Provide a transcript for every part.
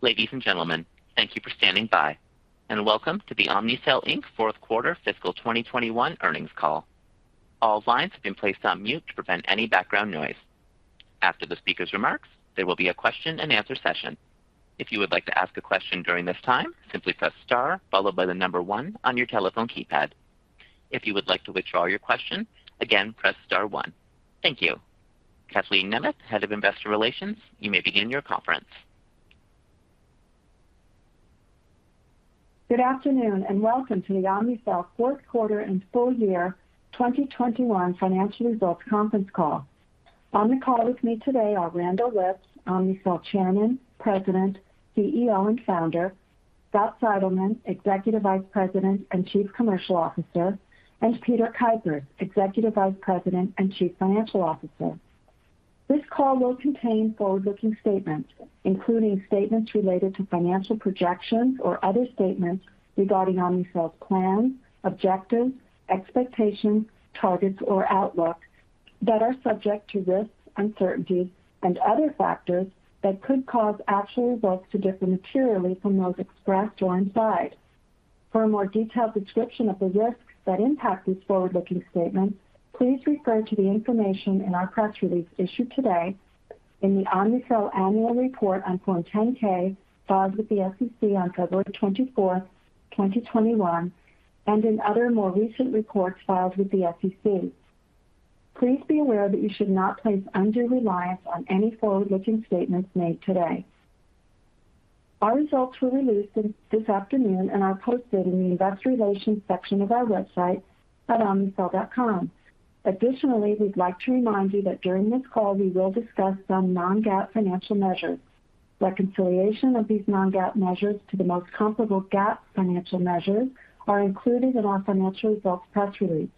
Ladies and gentlemen, thank you for standing by. Welcome to the Omnicell, Inc. Fourth Quarter Fiscal 2021 Earnings Call. All lines have been placed on mute to prevent any background noise. After the speaker's remarks, there will be a question-and-answer session. If you would like to ask a question during this time, simply press star followed by one on your telephone keypad. If you would like to withdraw your question, again, press star one. Thank you. Kathleen Nemeth, Head of Investor Relations, you may begin your conference. Good afternoon, and welcome to the Omnicell Fourth Quarter and Full Year 2021 Financial Results Conference Call. On the call with me today are Randall Lipps, Omnicell Chairman, President, CEO, and Founder, Scott Seidelmann, Executive Vice President and Chief Commercial Officer, and Peter Kuipers, Executive Vice President and Chief Financial Officer. This call will contain forward-looking statements, including statements related to financial projections or other statements regarding Omnicell's plans, objectives, expectations, targets, or outlook that are subject to risks, uncertainties, and other factors that could cause actual results to differ materially from those expressed or implied. For a more detailed description of the risks that impact these forward-looking statements, please refer to the information in our press release issued today in the Omnicell annual report on Form 10-K filed with the SEC on February 24, 2021, and in other more recent reports filed with the SEC. Please be aware that you should not place undue reliance on any forward-looking statements made today. Our results were released this afternoon and are posted in the investor relations section of our website at omnicell.com. Additionally, we'd like to remind you that during this call, we will discuss some non-GAAP financial measures. Reconciliation of these non-GAAP measures to the most comparable GAAP financial measures are included in our financial results press release.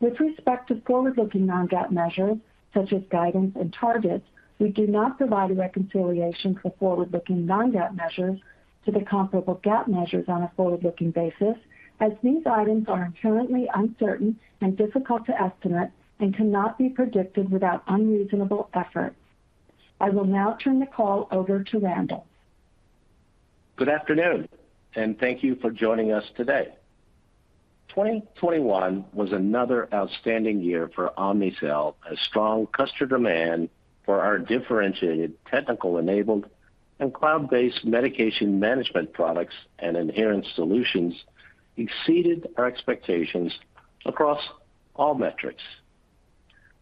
With respect to forward-looking non-GAAP measures, such as guidance and targets, we do not provide a reconciliation for forward-looking non-GAAP measures to the comparable GAAP measures on a forward-looking basis, as these items are inherently uncertain and difficult to estimate and cannot be predicted without unreasonable efforts. I will now turn the call over to Randall. Good afternoon, and thank you for joining us today. 2021 was another outstanding year for Omnicell as strong customer demand for our differentiated technology-enabled and cloud-based medication management products and inherent solutions exceeded our expectations across all metrics.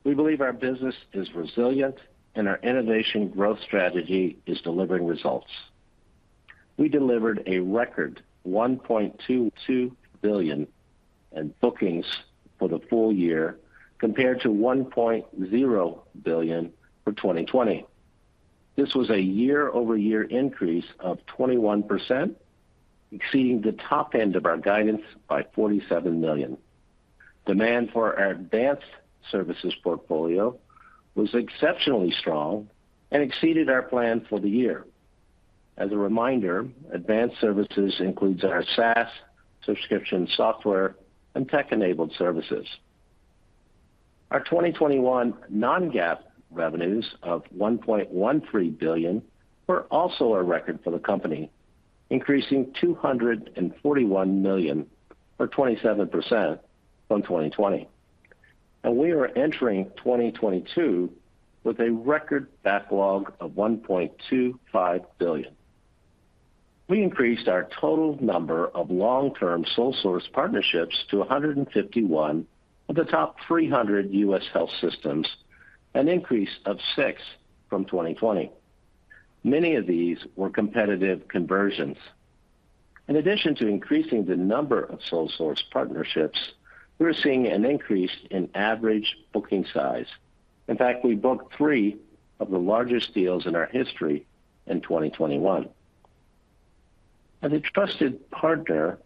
We believe our business is resilient and our innovation growth strategy is delivering results. We delivered a record $1.22 billion in bookings for the full year compared to $1.0 billion for 2020. This was a year-over-year increase of 21%, exceeding the top end of our guidance by $47 million. Demand for our advanced services portfolio was exceptionally strong and exceeded our plan for the year. As a reminder, advanced services includes our SaaS subscription software and tech-enabled services. Our 2021 non-GAAP revenues of $1.13 billion were also a record for the company, increasing $241 million or 27% from 2020. We are entering 2022 with a record backlog of $1.25 billion. We increased our total number of long-term sole source partnerships to 151 of the top 300 U.S. health systems, an increase of six from 2020. Many of these were competitive conversions. In addition to increasing the number of sole source partnerships, we're seeing an increase in average booking size. In fact, we booked three of the largest deals in our history in 2021. As a trusted partner,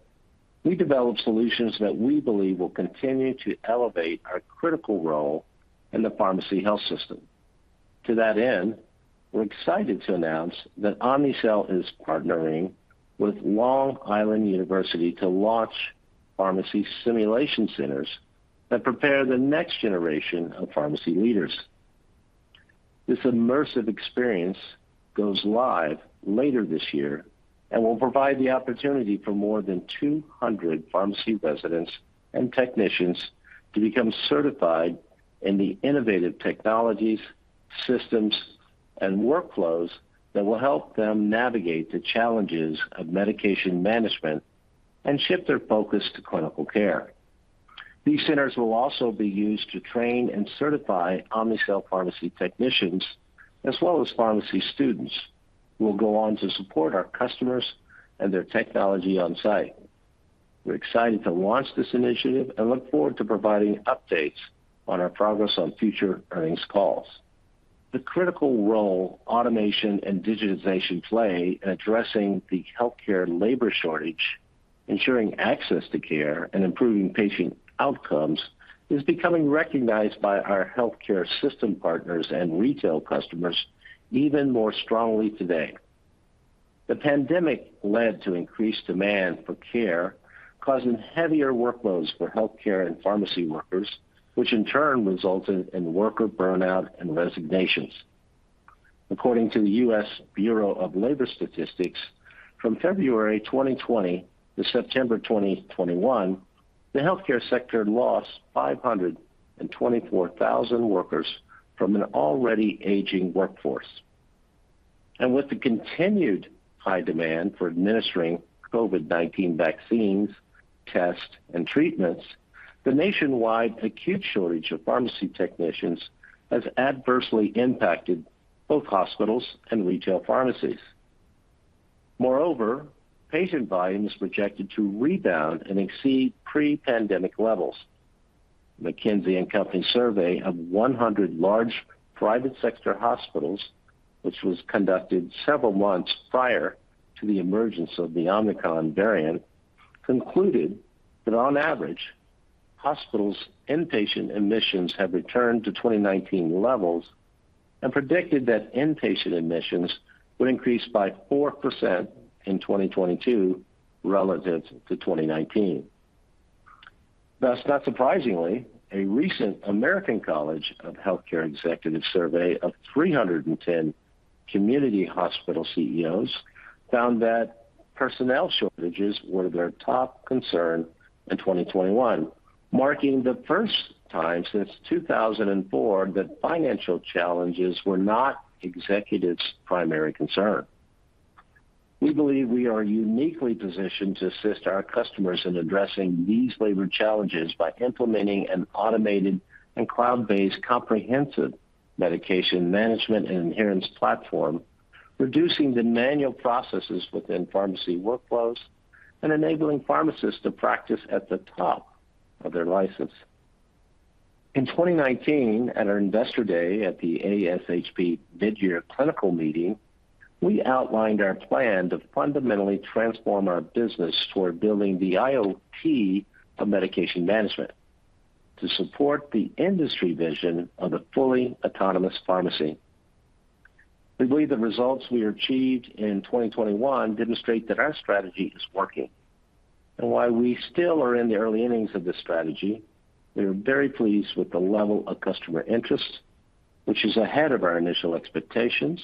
we developed solutions that we believe will continue to elevate our critical role in the pharmacy health system. To that end, we're excited to announce that Omnicell is partnering with Long Island University to launch pharmacy simulation centers that prepare the next generation of pharmacy leaders. This immersive experience goes live later this year and will provide the opportunity for more than 200 pharmacy residents and technicians to become certified in the innovative technologies, systems, and workflows that will help them navigate the challenges of medication management and shift their focus to clinical care. These centers will also be used to train and certify Omnicell pharmacy technicians as well as pharmacy students who will go on to support our customers and their technology on-site. We're excited to launch this initiative and look forward to providing updates on our progress on future earnings calls. The critical role automation and digitization play in addressing the healthcare labor shortage, ensuring access to care, and improving patient outcomes is becoming recognized by our healthcare system partners and retail customers even more strongly today. The pandemic led to increased demand for care, causing heavier workloads for healthcare and pharmacy workers, which in turn resulted in worker burnout and resignations. According to the U.S. Bureau of Labor Statistics, from February 2020 to September 2021, the healthcare sector lost 524,000 workers from an already aging workforce. With the continued high demand for administering COVID-19 vaccines, tests, and treatments, the nationwide acute shortage of pharmacy technicians has adversely impacted both hospitals and retail pharmacies. Moreover, patient volume is projected to rebound and exceed pre-pandemic levels. McKinsey & Company survey of 100 large private sector hospitals, which was conducted several months prior to the emergence of the Omicron variant, concluded that on average, hospitals' inpatient admissions have returned to 2019 levels and predicted that inpatient admissions would increase by 4% in 2022 relative to 2019. Thus, not surprisingly, a recent American College of Healthcare Executives survey of 310 community hospital CEOs found that personnel shortages were their top concern in 2021, marking the first time since 2004 that financial challenges were not executives' primary concern. We believe we are uniquely positioned to assist our customers in addressing these labor challenges by implementing an automated and cloud-based comprehensive medication management and adherence platform, reducing the manual processes within pharmacy workflows and enabling pharmacists to practice at the top of their license. In 2019, at our Investor Day at the ASHP Midyear Clinical Meeting, we outlined our plan to fundamentally transform our business toward building the IoT of medication management to support the industry vision of a fully autonomous pharmacy. We believe the results we achieved in 2021 demonstrate that our strategy is working. While we still are in the early innings of this strategy, we are very pleased with the level of customer interest, which is ahead of our initial expectations,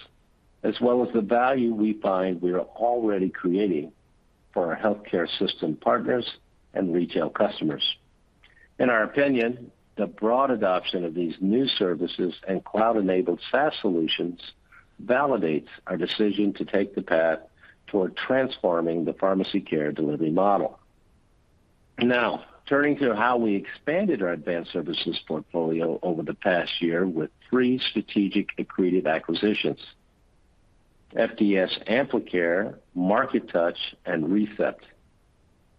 as well as the value we find we are already creating for our healthcare system partners and retail customers. In our opinion, the broad adoption of these new services and cloud-enabled SaaS solutions validates our decision to take the path toward transforming the pharmacy care delivery model. Now, turning to how we expanded our advanced services portfolio over the past year with three strategic accretive acquisitions, FDS Amplicare, MarkeTouch, and ReCept.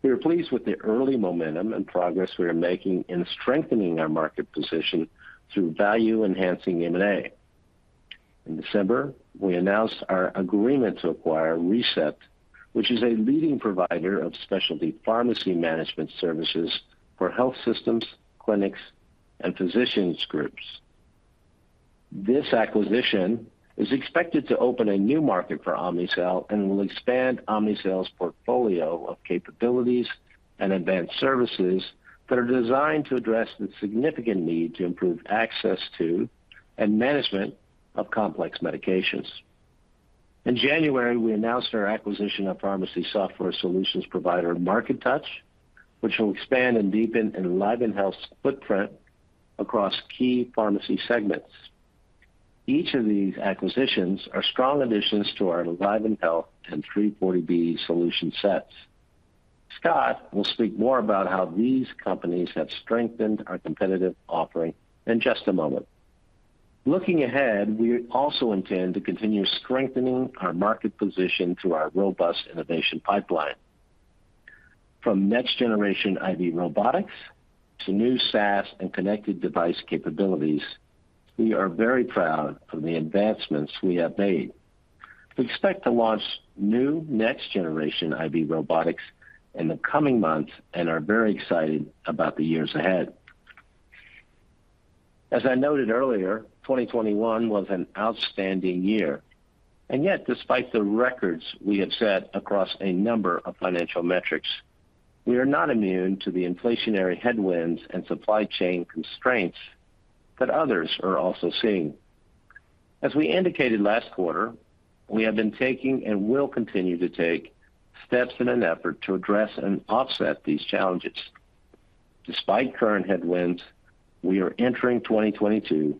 We are pleased with the early momentum and progress we are making in strengthening our market position through value-enhancing M&A. In December, we announced our agreement to acquire ReCept, which is a leading provider of specialty pharmacy management services for health systems, clinics, and physicians groups. This acquisition is expected to open a new market for Omnicell and will expand Omnicell's portfolio of capabilities and advanced services that are designed to address the significant need to improve access to and management of complex medications. In January, we announced our acquisition of pharmacy software solutions provider MarkeTouch, which will expand and deepen EnlivenHealth's footprint across key pharmacy segments. Each of these acquisitions are strong additions to our EnlivenHealth and 340B solution sets. Scott will speak more about how these companies have strengthened our competitive offering in just a moment. Looking ahead, we also intend to continue strengthening our market position through our robust innovation pipeline. From next generation IV robotics to new SaaS and connected device capabilities, we are very proud of the advancements we have made. We expect to launch new next generation IV robotics in the coming months and are very excited about the years ahead. As I noted earlier, 2021 was an outstanding year. Yet, despite the records we have set across a number of financial metrics, we are not immune to the inflationary headwinds and supply chain constraints that others are also seeing. As we indicated last quarter, we have been taking and will continue to take steps in an effort to address and offset these challenges. Despite current headwinds, we are entering 2022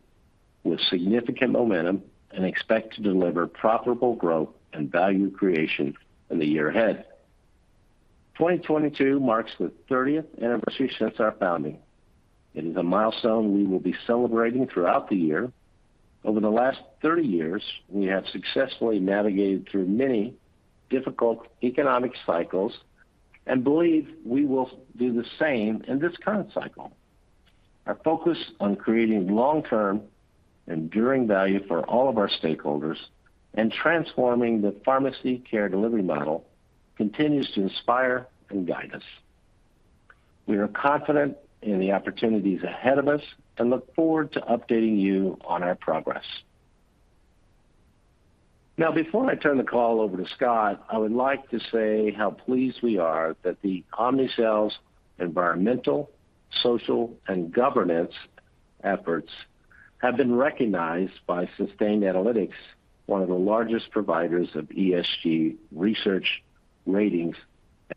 with significant momentum and expect to deliver profitable growth and value creation in the year ahead. 2022 marks the 30th anniversary since our founding. It is a milestone we will be celebrating throughout the year. Over the last 30 years, we have successfully navigated through many difficult economic cycles and believe we will do the same in this current cycle. Our focus on creating long-term enduring value for all of our stakeholders and transforming the pharmacy care delivery model continues to inspire and guide us. We are confident in the opportunities ahead of us and look forward to updating you on our progress. Now, before I turn the call over to Scott, I would like to say how pleased we are that Omnicell's environmental, social, and governance efforts have been recognized by Sustainalytics, one of the largest providers of ESG research ratings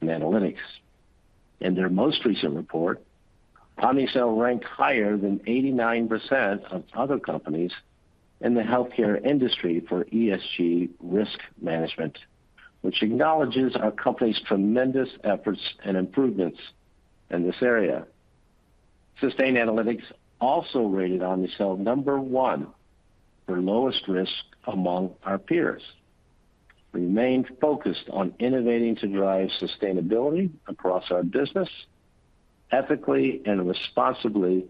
and analytics. In their most recent report, Omnicell ranked higher than 89% of other companies in the healthcare industry for ESG risk management, which acknowledges our company's tremendous efforts and improvements in this area. Sustainalytics also rated Omnicell number one for lowest risk among our peers. We remained focused on innovating to drive sustainability across our business ethically and responsibly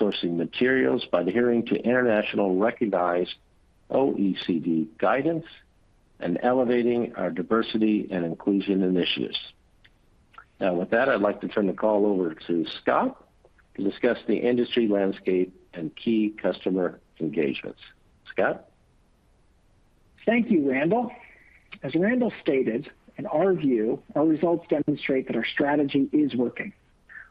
sourcing materials by adhering to internationally recognized OECD guidance and elevating our diversity and inclusion initiatives. Now, with that, I'd like to turn the call over to Scott to discuss the industry landscape and key customer engagements. Scott. Thank you, Randall. As Randall stated, in our view, our results demonstrate that our strategy is working.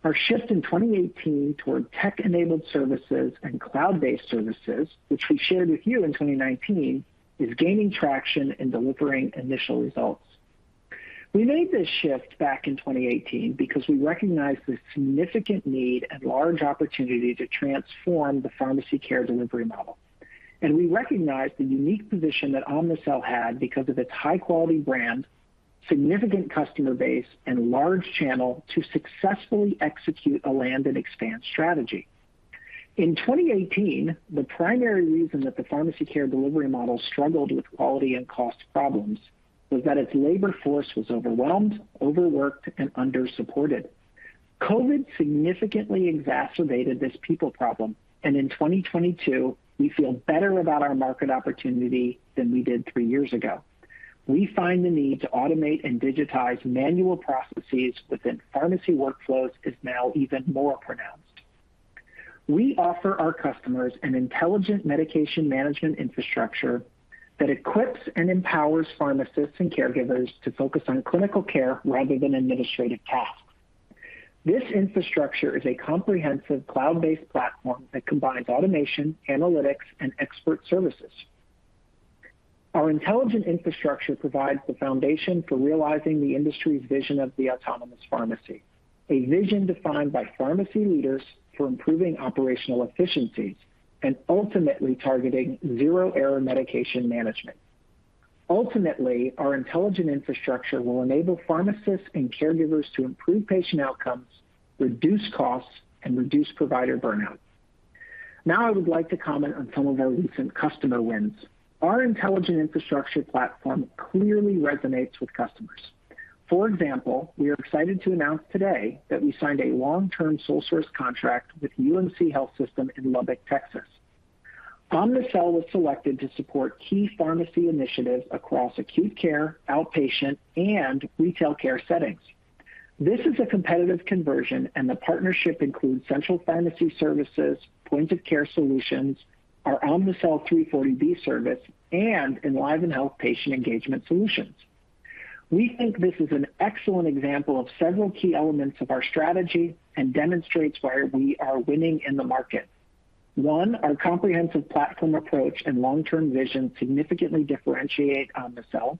Our shift in 2018 toward tech-enabled services and cloud-based services, which we shared with you in 2019, is gaining traction and delivering initial results. We made this shift back in 2018 because we recognized the significant need and large opportunity to transform the pharmacy care delivery model. We recognized the unique position that Omnicell had because of its high quality brand, significant customer base, and large channel to successfully execute a land and expand strategy. In 2018, the primary reason that the pharmacy care delivery model struggled with quality and cost problems was that its labor force was overwhelmed, overworked, and under supported. COVID-19 significantly exacerbated this people problem, and in 2022, we feel better about our market opportunity than we did three years ago. We find the need to automate and digitize manual processes within pharmacy workflows is now even more pronounced. We offer our customers an intelligent medication management infrastructure that equips and empowers pharmacists and caregivers to focus on clinical care rather than administrative tasks. This infrastructure is a comprehensive cloud-based platform that combines automation, analytics, and expert services. Our intelligent infrastructure provides the foundation for realizing the industry's vision of the autonomous pharmacy, a vision defined by pharmacy leaders for improving operational efficiencies and ultimately targeting zero error medication management. Ultimately, our intelligent infrastructure will enable pharmacists and caregivers to improve patient outcomes, reduce costs, and reduce provider burnout. Now I would like to comment on some of our recent customer wins. Our intelligent infrastructure platform clearly resonates with customers. For example, we are excited to announce today that we signed a long-term sole source contract with UMC Health System in Lubbock, Texas. Omnicell was selected to support key pharmacy initiatives across acute care, outpatient, and retail care settings. This is a competitive conversion, and the partnership includes central pharmacy services, point of care solutions, our Omnicell 340B service, and EnlivenHealth patient engagement solutions. We think this is an excellent example of several key elements of our strategy and demonstrates why we are winning in the market. One, our comprehensive platform approach and long-term vision significantly differentiate Omnicell.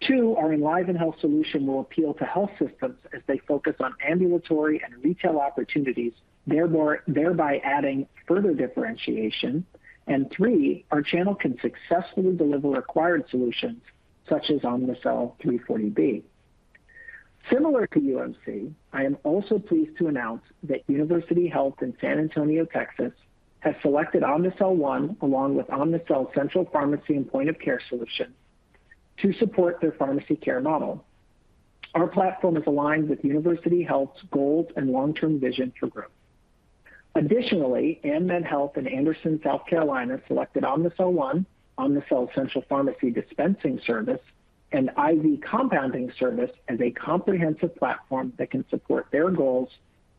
Two, our EnlivenHealth solution will appeal to health systems as they focus on ambulatory and retail opportunities, thereby adding further differentiation. Three, our channel can successfully deliver acquired solutions such as Omnicell 340B. Similar to UMC, I am also pleased to announce that University Health in San Antonio, Texas, has selected Omnicell One along with Omnicell Central Pharmacy and point-of-care solutions to support their pharmacy care model. Our platform is aligned with University Health's goals and long-term vision for growth. Additionally, AnMed Health in Anderson, South Carolina, selected Omnicell One, Omnicell Central Pharmacy Dispensing Service, and IV Compounding Service as a comprehensive platform that can support their goals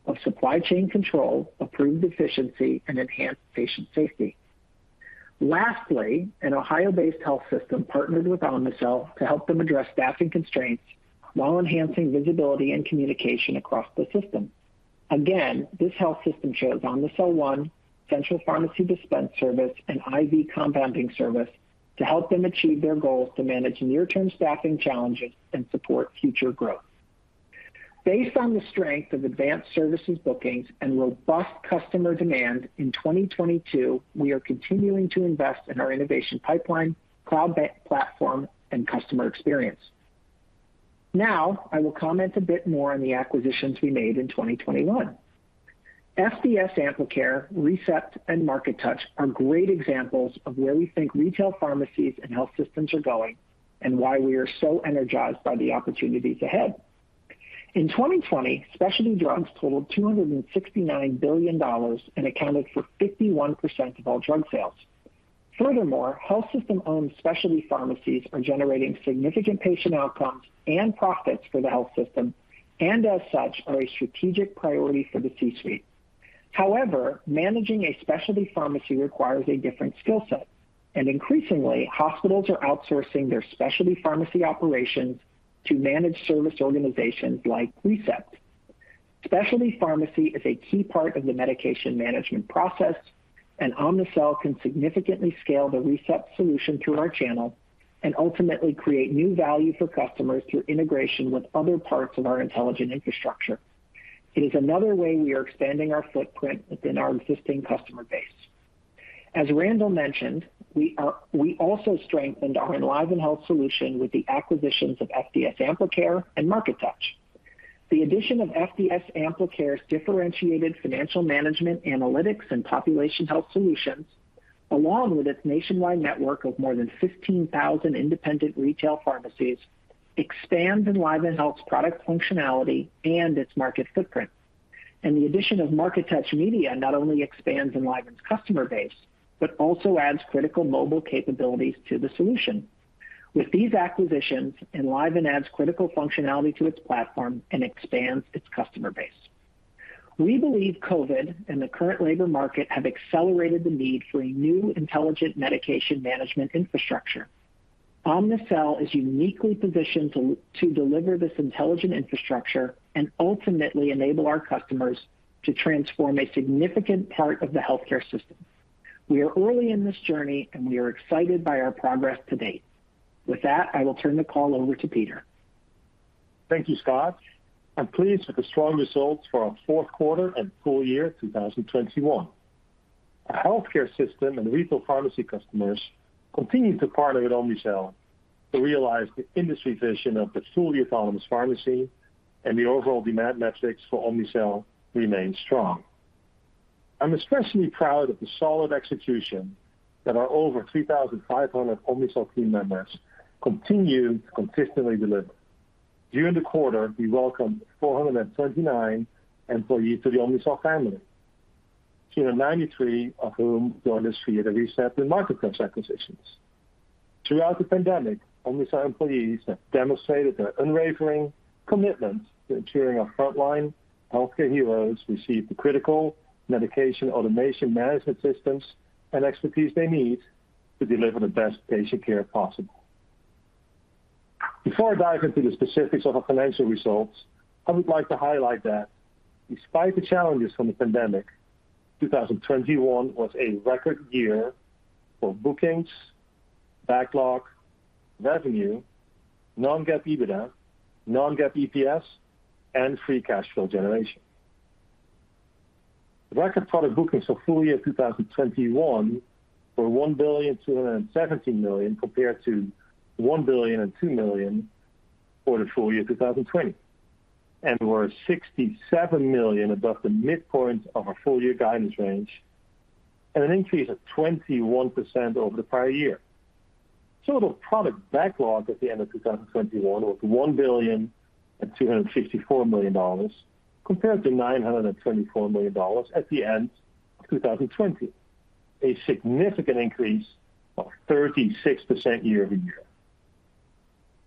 of supply chain control, improved efficiency, and enhanced patient safety. Lastly, an Ohio-based health system partnered with Omnicell to help them address staffing constraints while enhancing visibility and communication across the system. Again, this health system chose Omnicell One, Central Pharmacy Dispensing Service, and IV Compounding Service to help them achieve their goals to manage near-term staffing challenges and support future growth. Based on the strength of advanced services bookings and robust customer demand in 2022, we are continuing to invest in our innovation pipeline, cloud-based platform, and customer experience. Now, I will comment a bit more on the acquisitions we made in 2021. FDS Amplicare, ReCept, and MarkeTouch are great examples of where we think retail pharmacies and health systems are going and why we are so energized by the opportunities ahead. In 2020, specialty drugs totaled $269 billion and accounted for 51% of all drug sales. Furthermore, health system-owned specialty pharmacies are generating significant patient outcomes and profits for the health system, and as such, are a strategic priority for the C-suite. However, managing a specialty pharmacy requires a different skill set, and increasingly, hospitals are outsourcing their specialty pharmacy operations to managed service organizations like ReCept. Specialty pharmacy is a key part of the medication management process, and Omnicell can significantly scale the ReCept solution through our channel and ultimately create new value for customers through integration with other parts of our intelligent infrastructure. It is another way we are expanding our footprint within our existing customer base. As Randall mentioned, we also strengthened our EnlivenHealth solution with the acquisitions of FDS Amplicare and MarkeTouch. The addition of FDS Amplicare's differentiated financial management, analytics, and population health solutions, along with its nationwide network of more than 15,000 independent retail pharmacies, expands EnlivenHealth's product functionality and its market footprint. The addition of MarkeTouch Media not only expands EnlivenHealth's customer base, but also adds critical mobile capabilities to the solution. With these acquisitions, EnlivenHealth adds critical functionality to its platform and expands its customer base. We believe COVID and the current labor market have accelerated the need for a new intelligent medication management infrastructure. Omnicell is uniquely positioned to deliver this intelligent infrastructure and ultimately enable our customers to transform a significant part of the healthcare system. We are early in this journey, and we are excited by our progress to date. With that, I will turn the call over to Peter. Thank you, Scott. I'm pleased with the strong results for our fourth quarter and full year 2021. Our healthcare system and retail pharmacy customers continue to partner with Omnicell to realize the industry vision of the fully autonomous pharmacy and the overall demand metrics for Omnicell remain strong. I'm especially proud of the solid execution that our over 3,500 Omnicell team members continue to consistently deliver. During the quarter, we welcomed 439 employees to the Omnicell family, 393 of whom joined us via the ReCept and MarkeTouch acquisitions. Throughout the pandemic, Omnicell employees have demonstrated their unwavering commitment to ensuring our frontline healthcare heroes receive the critical medication automation management systems and expertise they need to deliver the best patient care possible. Before I dive into the specifics of our financial results, I would like to highlight that despite the challenges from the pandemic, 2021 was a record year for bookings, backlog, revenue, non-GAAP EBITDA, non-GAAP EPS, and free cash flow generation. Record product bookings for full year 2021 were $1.27 billion, compared to $1.002 billion for the full year 2020, and were $67 million above the midpoint of our full year guidance range and an increase of 21% over the prior year. Total product backlog at the end of 2021 was $1.254 billion, compared to $924 million at the end of 2020, a significant increase of 36% year-over-year.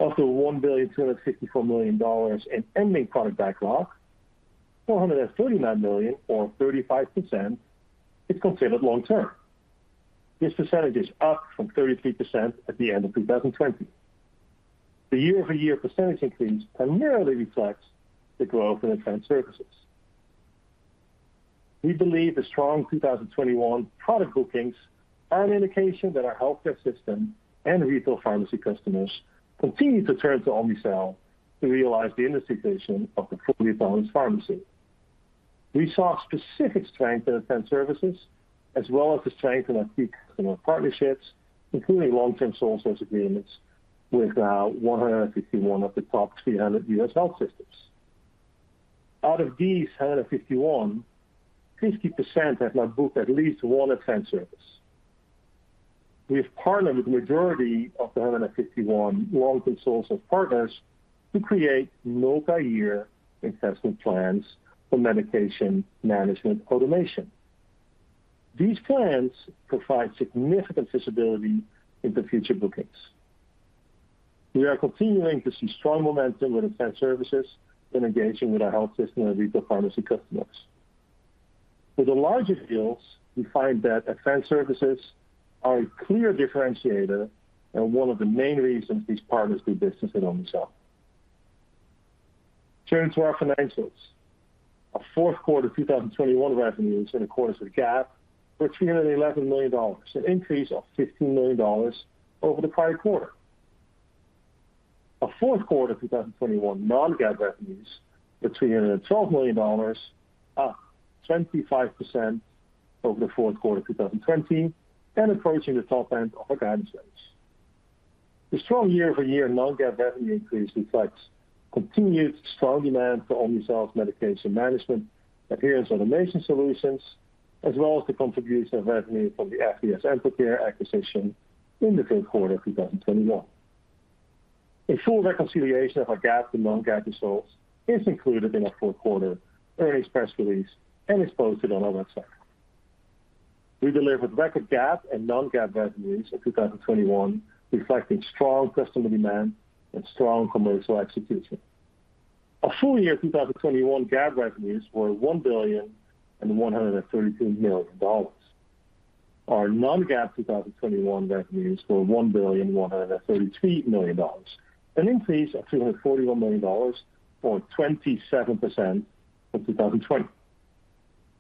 Of the $1.254 billion in ending product backlog, $439 million or 35% is considered long-term. This percentage is up from 33% at the end of 2020. The year-over-year percentage increase primarily reflects the growth in Advanced Services. We believe the strong 2021 product bookings are an indication that our healthcare system and retail pharmacy customers continue to turn to Omnicell to realize the industry vision of the fully autonomous pharmacy. We saw specific strength in Advanced Services as well as the strength in our key customer partnerships, including long-term sole source agreements with one hundred and fifty-one of the top 300 U.S. health systems. Out of these 151, 50% have now booked at least one Advanced service. We have partnered with the majority of the 151 long-term sole sources partners to create multi-year investment plans for medication management automation. These plans provide significant visibility into future bookings. We are continuing to see strong momentum with Advance Services in engaging with our health system and retail pharmacy customers. For the larger deals, we find that Advance Services are a clear differentiator and one of the main reasons these partners do business with Omnicell. Turning to our financials. Our fourth quarter 2021 revenues in accordance with GAAP were $311 million, an increase of $15 million over the prior quarter. Our fourth quarter 2021 non-GAAP revenues were $312 million, up 25% over the fourth quarter 2020 and approaching the top end of our guidance range. The strong year-over-year non-GAAP revenue increase reflects continued strong demand for Omnicell's medication management adherence automation solutions, as well as the contribution of revenue from the FDS Amplicare acquisition in the third quarter of 2021. A full reconciliation of our GAAP to non-GAAP results is included in our fourth quarter earnings press release and is posted on our website. We delivered record GAAP and non-GAAP revenues in 2021, reflecting strong customer demand and strong commercial execution. Our full year 2021 GAAP revenues were $1.132 billion. Our non-GAAP 2021 revenues were $1.133 billion, an increase of $241 million or 27% from 2020.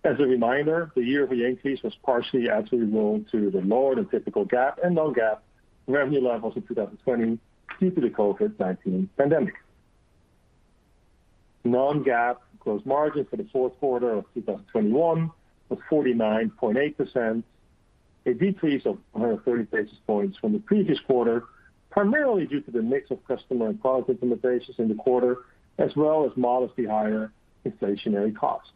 As a reminder, the year-over-year increase was partially attributed to the lower than typical GAAP and non-GAAP revenue levels in 2020 due to the COVID-19 pandemic. Non-GAAP gross margin for the fourth quarter of 2021 was 49.8%, a decrease of 100 basis points from the previous quarter, primarily due to the mix of customer and product implementations in the quarter, as well as modestly higher inflationary costs.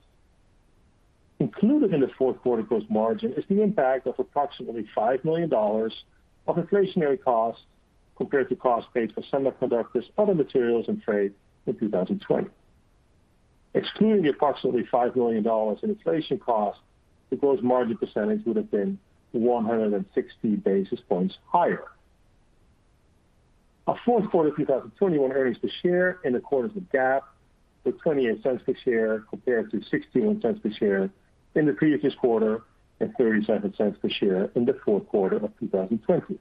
Included in the fourth quarter gross margin is the impact of approximately $5 million of inflationary costs compared to costs paid for semiconductors, other materials, and freight in 2020. Excluding the approximately $5 million in inflation cost, the gross margin percentage would have been 160 basis points higher. Our fourth quarter 2021 earnings per share in accordance with GAAP were $0.28 per share compared to $0.16 per share in the previous quarter, and $0.37 per share in the fourth quarter of 2020.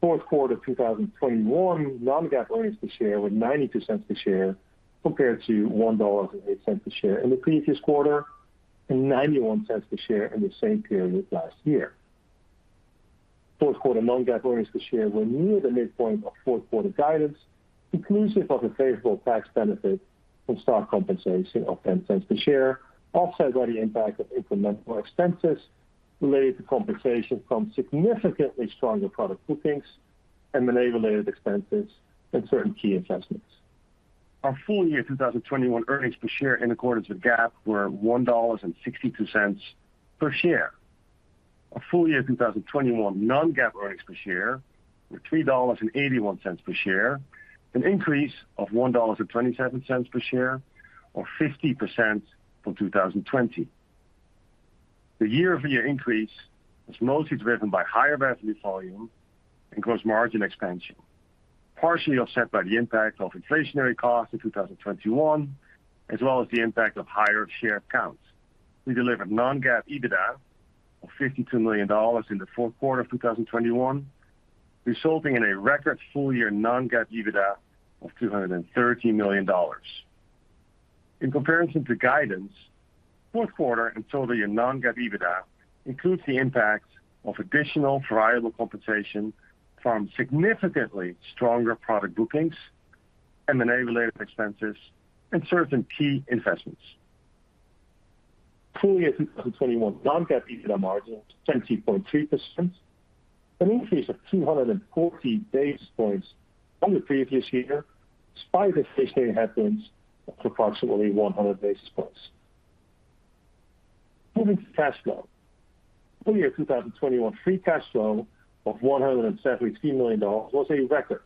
Fourth quarter 2021 non-GAAP earnings per share were $0.92 per share compared to $1.08 per share in the previous quarter, and $0.91 per share in the same period last year. Fourth quarter non-GAAP earnings per share were near the midpoint of fourth quarter guidance, inclusive of a favorable tax benefit from stock compensation of $0.10 per share, offset by the impact of incremental expenses related to compensation from significantly stronger product bookings and M&A-related expenses in certain key investments. Our full year 2021 earnings per share in accordance with GAAP were $1.62 per share. Our full year 2021 non-GAAP earnings per share were $3.81 per share, an increase of $1.27 per share or 50% from 2020. The year-over-year increase was mostly driven by higher revenue volume and gross margin expansion, partially offset by the impact of inflationary costs in 2021, as well as the impact of higher share counts. We delivered non-GAAP EBITDA of $52 million in the fourth quarter of 2021, resulting in a record full-year non-GAAP EBITDA of $230 million. In comparison to guidance, fourth quarter and full year non-GAAP EBITDA includes the impact of additional variable compensation from significantly stronger product bookings and M&A related expenses and certain key investments. Full year 2021 non-GAAP EBITDA margin was 20.3%, an increase of 240 basis points from the previous year, despite inflationary headwinds of approximately 100 basis points. Moving to cash flow. Full year 2021 free cash flow of $173 million was a record,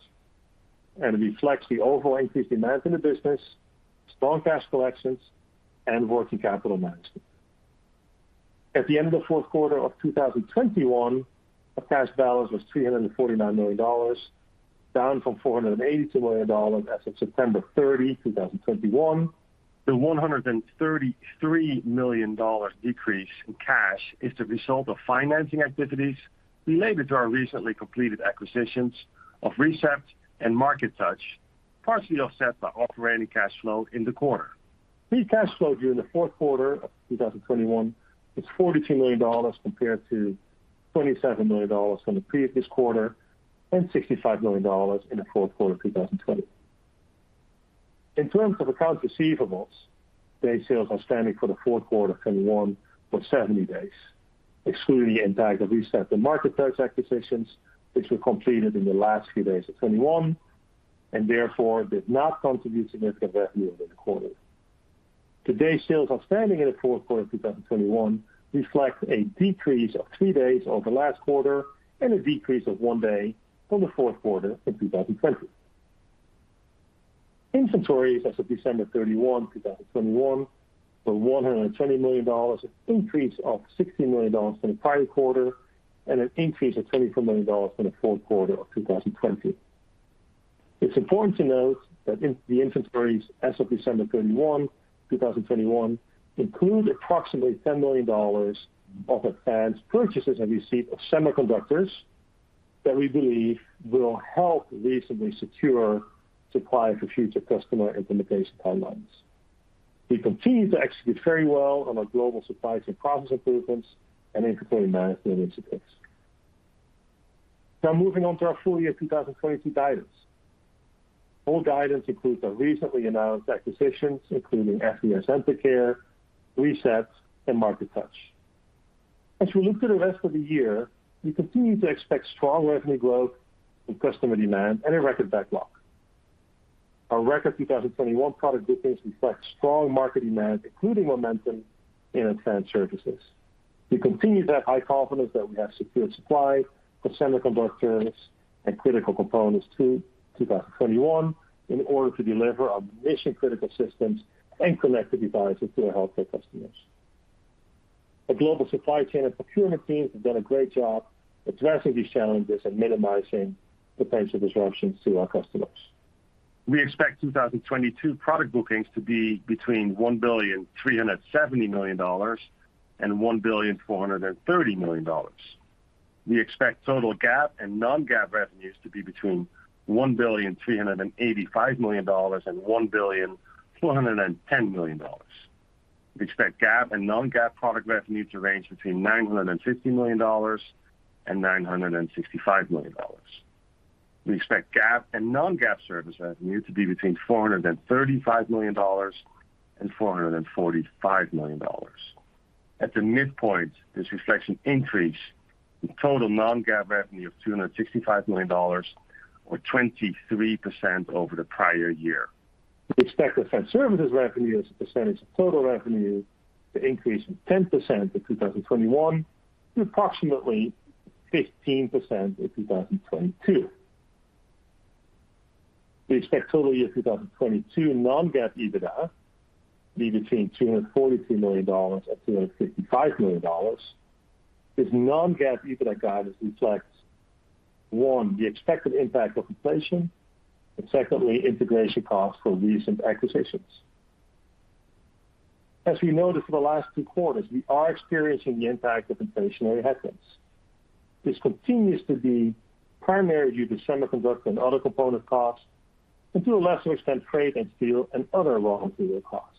and reflects the overall increased demand in the business, strong cash collections, and working capital management. At the end of fourth quarter of 2021, our cash balance was $349 million, down from $482 million as of September 30, 2021. The $133 million decrease in cash is the result of financing activities related to our recently completed acquisitions of ReCept and MarkeTouch, partially offset by operating cash flow in the quarter. Free cash flow during the fourth quarter of 2021 was $42 million compared to $27 million from the previous quarter, and $65 million in the fourth quarter of 2020. In terms of accounts receivables, days sales outstanding for the fourth quarter of 2021 were 70 days, excluding the impact of ReCept and MarkeTouch acquisitions, which were completed in the last few days of 2021, and therefore did not contribute significant revenue in the quarter. The days sales outstanding in the fourth quarter of 2021 reflect a decrease of three days over last quarter and a decrease of one day from the fourth quarter in 2020. Inventories as of December 31, 2021 were $120 million, an increase of $60 million from the prior quarter, and an increase of $24 million from the fourth quarter of 2020. It's important to note that the inventories as of December 31, 2021 include approximately $10 million of advanced purchases and receipt of semiconductors that we believe will help reasonably secure supply for future customer implementation timelines. We continue to execute very well on our global supplies and process improvements and inventory management initiatives. Now moving on to our full year 2022 guidance. Full guidance includes our recently announced acquisitions including FDS Amplicare, ReCept, and MarkeTouch. As we look to the rest of the year, we continue to expect strong revenue growth from customer demand and a record backlog. Our record 2021 product bookings reflect strong market demand, including momentum in advanced services. We continue to have high confidence that we have secured supply of semiconductors and critical components to 2021 in order to deliver our mission-critical systems and connected devices to our healthcare customers. Our global supply chain and procurement teams have done a great job addressing these challenges and minimizing potential disruptions to our customers. We expect 2022 product bookings to be between $1.37 billion and $1.43 billion. We expect total GAAP and non-GAAP revenues to be between $1.385 billion and $1.41 billion. We expect GAAP and non-GAAP product revenue to range between $950 million and $965 million. We expect GAAP and non-GAAP service revenue to be between $435 million and $445 million. At the midpoint, this reflects an increase in total non-GAAP revenue of $265 million or 23% over the prior year. We expect advanced services revenue as a percentage of total revenue to increase from 10% in 2021 to approximately 15% in 2022. We expect total year 2022 non-GAAP EBITDA to be between $242 million and $255 million. This non-GAAP EBITDA guidance reflects, one, the expected impact of inflation, and secondly, integration costs for recent acquisitions. As we noted for the last two quarters, we are experiencing the impact of inflationary headwinds. This continues to be primarily due to semiconductor and other component costs, and to a lesser extent, freight and steel and other raw material costs.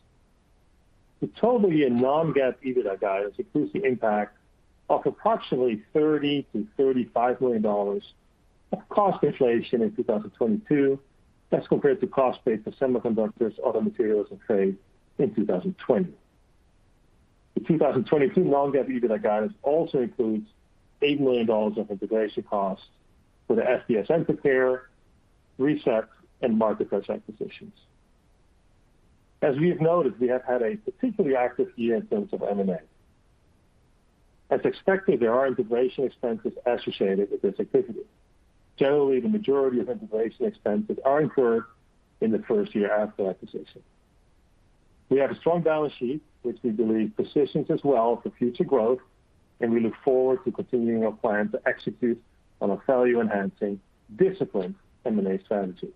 The total year non-GAAP EBITDA guidance includes the impact of approximately $30 million-$35 million of cost inflation in 2022. That's compared to cost base for semiconductors, other materials, and freight in 2020. The 2022 non-GAAP EBITDA guidance also includes $8 million of integration costs for the FDS Amplicare, ReCept, and MarkeTouch Media acquisitions. As we have noted, we have had a particularly active year in terms of M&A. As expected, there are integration expenses associated with this activity. Generally, the majority of integration expenses are incurred in the first year after acquisition. We have a strong balance sheet, which we believe positions us well for future growth, and we look forward to continuing our plan to execute on our value-enhancing, disciplined M&A strategy.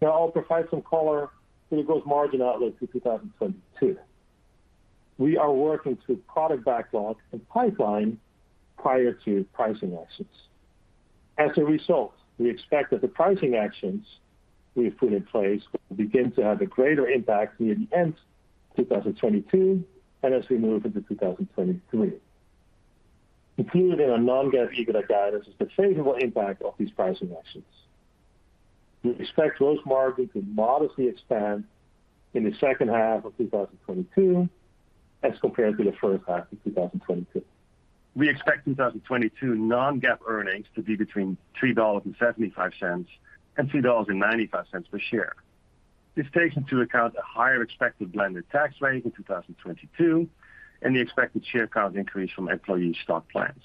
Now I'll provide some color to the gross margin outlook for 2022. We are working through product backlog and pipeline prior to pricing actions. As a result, we expect that the pricing actions we have put in place will begin to have a greater impact near the end of 2022 and as we move into 2023. Included in our non-GAAP EBITDA guidance is the favorable impact of these pricing actions. We expect gross margin to modestly expand in the second half of 2022 as compared to the first half of 2022. We expect 2022 non-GAAP earnings to be between $3.75 and $3.95 per share. This takes into account a higher expected blended tax rate in 2022 and the expected share count increase from employee stock plans.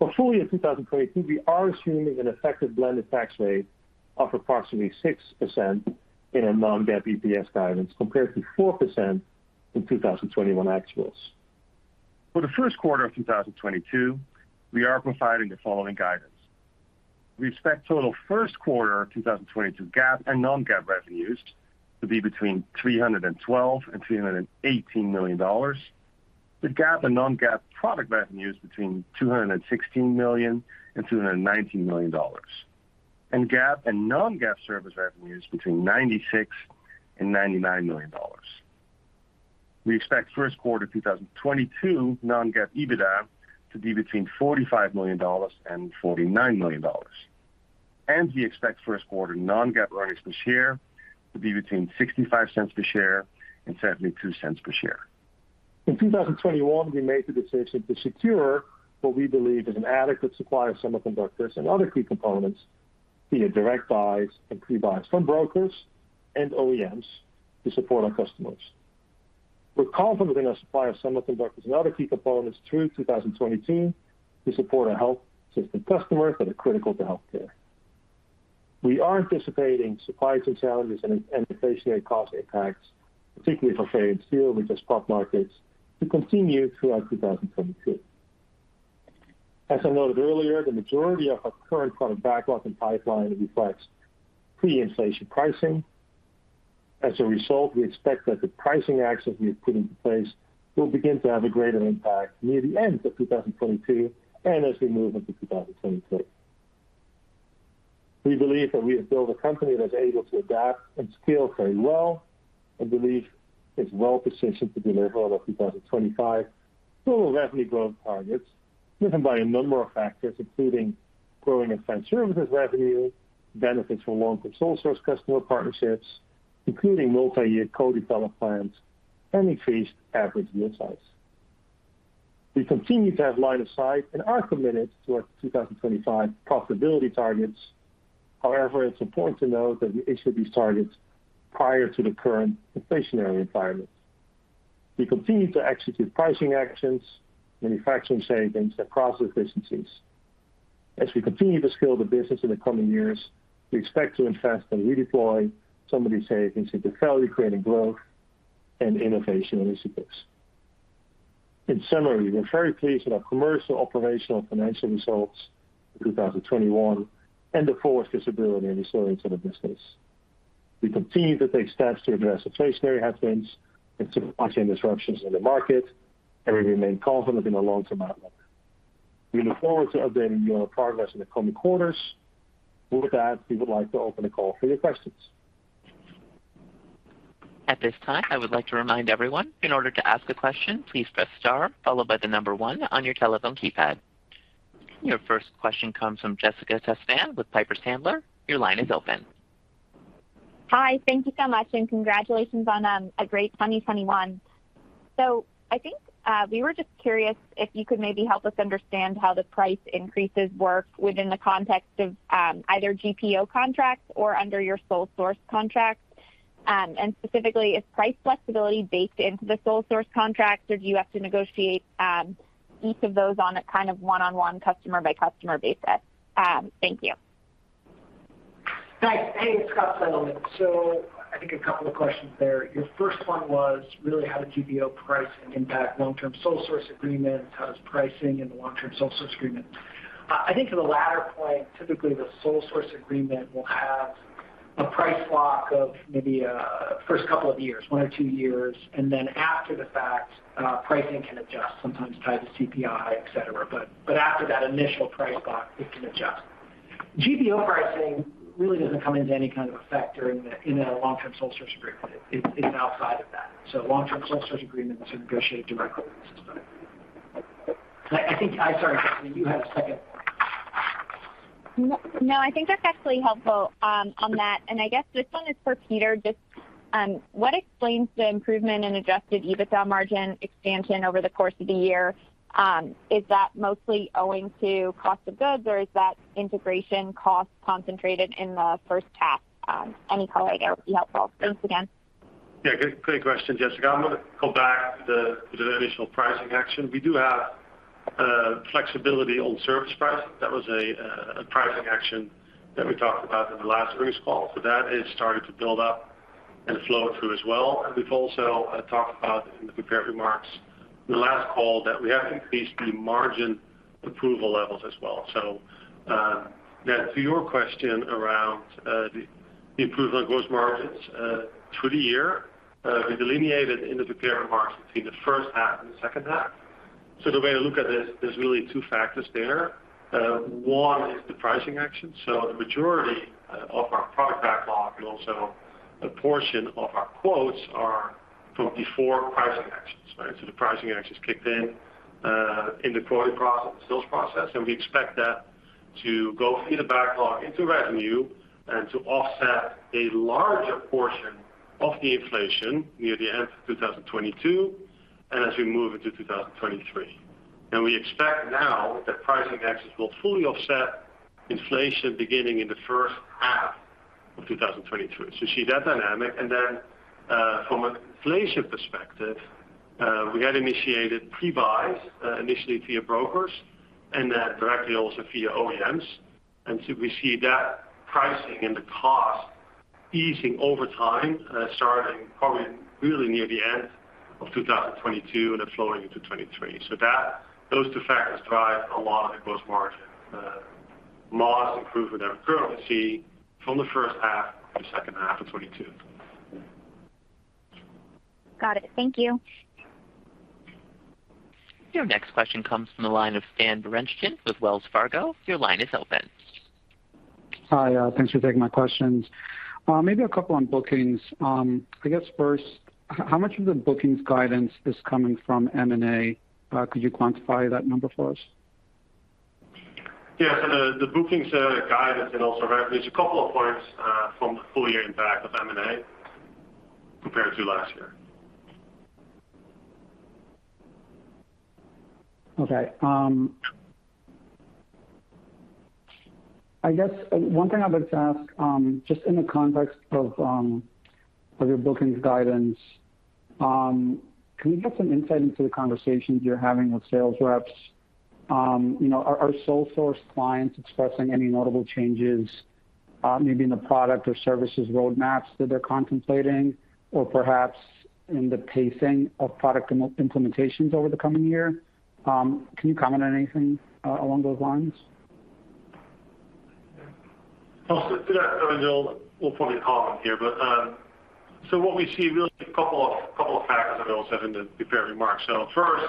For full year 2022, we are assuming an effective blended tax rate of approximately 6% in our non-GAAP EPS guidance compared to 4% in 2021 actuals. For the first quarter of 2022, we are providing the following guidance. We expect total first quarter 2022 GAAP and non-GAAP revenues to be between $312 million and $318 million, with GAAP and non-GAAP product revenues between $216 million and $219 million, and GAAP and non-GAAP service revenues between $96 million and $99 million. We expect first quarter 2022 non-GAAP EBITDA to be between $45 million and $49 million. We expect first quarter non-GAAP earnings per share to be between $0.65 per share and $0.72 per share. In 2021, we made the decision to secure what we believe is an adequate supply of semiconductors and other key components via direct buys and pre-buys from brokers and OEMs to support our customers. We're confident in our supply of semiconductors and other key components through 2022 to support our health system customers that are critical to healthcare. We are anticipating supply chain challenges and inflationary cost impacts, particularly for freight and steel, which are spot markets, to continue throughout 2022. As I noted earlier, the majority of our current product backlog and pipeline reflects pre-inflation pricing. As a result, we expect that the pricing actions we have put into place will begin to have a greater impact near the end of 2022 and as we move into 2023. We believe that we have built a company that is able to adapt and scale very well, and believe it's well-positioned to deliver on our 2025 total revenue growth targets, driven by a number of factors, including growing advanced services revenue, benefits from long-term sole source customer partnerships, including multi-year co-development plans, and increased average unit size. We continue to have line of sight and are committed to our 2025 profitability targets. However, it's important to note that we issued these targets prior to the current inflationary environment. We continue to execute pricing actions, manufacturing savings, and process efficiencies. As we continue to scale the business in the coming years, we expect to invest and redeploy some of these savings into value-creating growth and innovation initiatives. In summary, we're very pleased with our commercial, operational, and financial results in 2021 and the forward visibility and resilience of the business. We continue to take steps to address inflationary headwinds and supply chain disruptions in the market, and we remain confident in the long-term outlook. We look forward to updating you on our progress in the coming quarters. With that, we would like to open the call for your questions. At this time, I would like to remind everyone, in order to ask a question, please press star followed by one on your telephone keypad. Your first question comes from Jessica Tassan with Piper Sandler. Your line is open. Hi. Thank you so much, and congratulations on a great 2021. I think we were just curious if you could maybe help us understand how the price increases work within the context of either GPO contracts or under your sole source contracts. Specifically, is price flexibility baked into the sole source contracts, or do you have to negotiate each of those on a kind of one-on-one customer by customer basis? Thank you. Thanks. Hey, it's Scott Seidelmann. I think a couple of questions there. Your first one was really how the GPO pricing impact long-term sole source agreements. How does pricing in the long-term sole source agreement? I think to the latter point, typically, the sole source agreement will have a price block of maybe first couple of years, one or two years, and then after the fact, pricing can adjust sometimes tied to CPI, et cetera. But after that initial price block, it can adjust. GPO pricing really doesn't come into any kind of effect during in a long-term sole source agreement. It's outside of that. Long-term sole source agreements are negotiated directly with the customer. I think. Sorry, Jessica, you had a second point. No, I think that's actually helpful on that. I guess this one is for Peter. Just, what explains the improvement in adjusted EBITDA margin expansion over the course of the year? Is that mostly owing to cost of goods, or is that integration cost concentrated in the first half? Any color there would be helpful. Thanks again. Yeah, good question, Jessica. I'm gonna go back to the initial pricing action. We do have flexibility on service pricing. That was a pricing action that we talked about in the last earnings call. That is starting to build up and flow through as well. We've also talked about in the prepared remarks in the last call that we have increased the margin approval levels as well. To your question around the improvement on gross margins through the year, we delineated in the prepared remarks between the first half and the second half. The way to look at this, there's really two factors there. One is the pricing action. The majority of our product backlog and also a portion of our quotes are from before pricing actions, right? The pricing actions kicked in in the quoting process and the sales process, and we expect that to go through the backlog into revenue and to offset a larger portion of the inflation near the end of 2022 and as we move into 2023. We expect now that pricing actions will fully offset inflation beginning in the first half of 2023. You see that dynamic. From an inflation perspective, we had initiated pre-buys initially via brokers and then directly also via OEMs. We see that pricing and the cost easing over time, starting probably really near the end of 2022 and then flowing into 2023. Those two factors drive a lot of the gross margin loss improvement that we currently see from the first half to the second half of 2022. Got it. Thank you. Your next question comes from the line of Stan Berenshteyn with Wells Fargo. Your line is open. Hi. Thanks for taking my questions. Maybe a couple on bookings. I guess first, how much of the bookings guidance is coming from M&A? Could you quantify that number for us? Yeah. The bookings guidance and also revenue, there's a couple of points from the full year impact of M&A compared to last year. Okay. I guess one thing I'd like to ask, just in the context of your bookings guidance, can you give some insight into the conversations you're having with sales reps? You know, are sole source clients expressing any notable changes, maybe in the product or services roadmaps that they're contemplating or perhaps in the pacing of product implementations over the coming year? Can you comment on anything along those lines? Well, to that, I mean, we'll probably call them here. What we see is really a couple of factors I also said in the prepared remarks. First,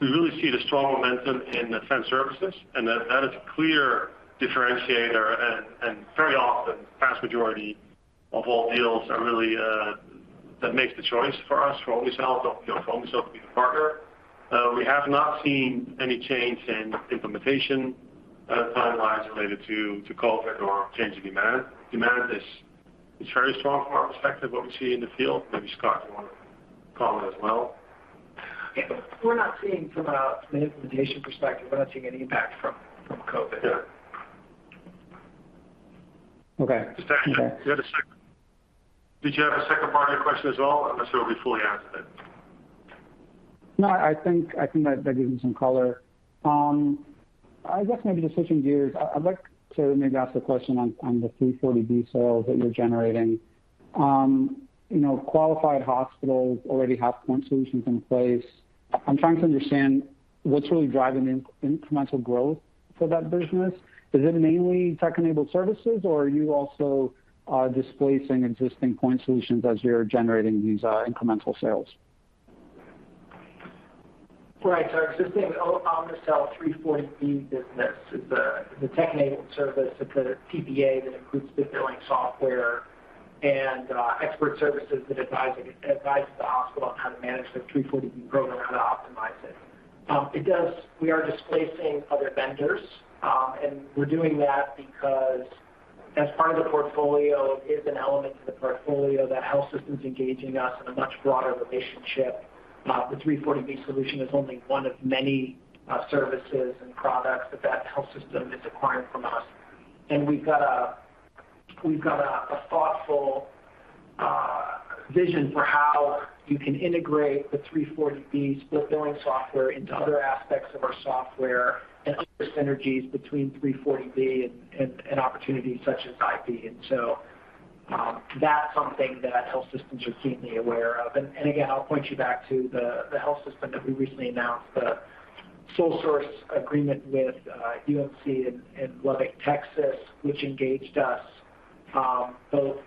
we really see the strong momentum in the Enliven services, and that is a clear differentiator and very often vast majority of all deals are really that makes the choice for us for Omnicell, you know, for Omnicell to be the partner. We have not seen any change in implementation timelines related to COVID or change in demand. Demand is very strong from our perspective, what we see in the field. Maybe, Scott, you want to comment as well. Yeah. We're not seeing from a, the implementation perspective, we're not seeing any impact from COVID. Yeah. Okay. Okay. Did you have a second part of your question as well, unless it will be fully answered then? No, I think that gives me some color. I guess maybe just switching gears, I'd like to maybe ask a question on the 340B sales that you're generating. You know, qualified hospitals already have point solutions in place. I'm trying to understand what's really driving incremental growth for that business. Is it mainly tech-enabled services, or are you also displacing existing point solutions as you're generating these incremental sales? Right. Existing Omnicell 340B business is the tech-enabled service. It's a PBA that includes the billing software and expert services that advises the hospital on how to manage their 340B program, how to optimize it. We are displacing other vendors, and we're doing that because as part of the portfolio, it's an element of the portfolio that health system is engaging us in a much broader relationship. The 340B solution is only one of many services and products that health system is acquiring from us. We've got a thoughtful vision for how you can integrate the 340B split billing software into other aspects of our software and other synergies between 340B and opportunities such as IV. That's something that health systems are keenly aware of. Again, I'll point you back to the health system that we recently announced, the sole source agreement with, UMC in Lubbock, Texas, which engaged us both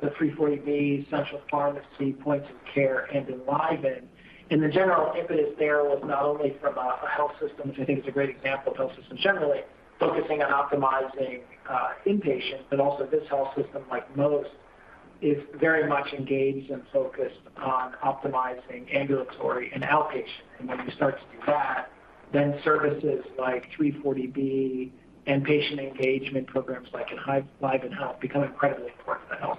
the 340B, Central Pharmacy, points of care and EnlivenHealth. The general impetus there was not only from a health system, which I think is a great example of health systems generally focusing on optimizing inpatient, but also this health system, like most, is very much engaged and focused on optimizing ambulatory and outpatient. When you start to do that, then services like 340B and patient engagement programs like EnlivenHealth become incredibly important to health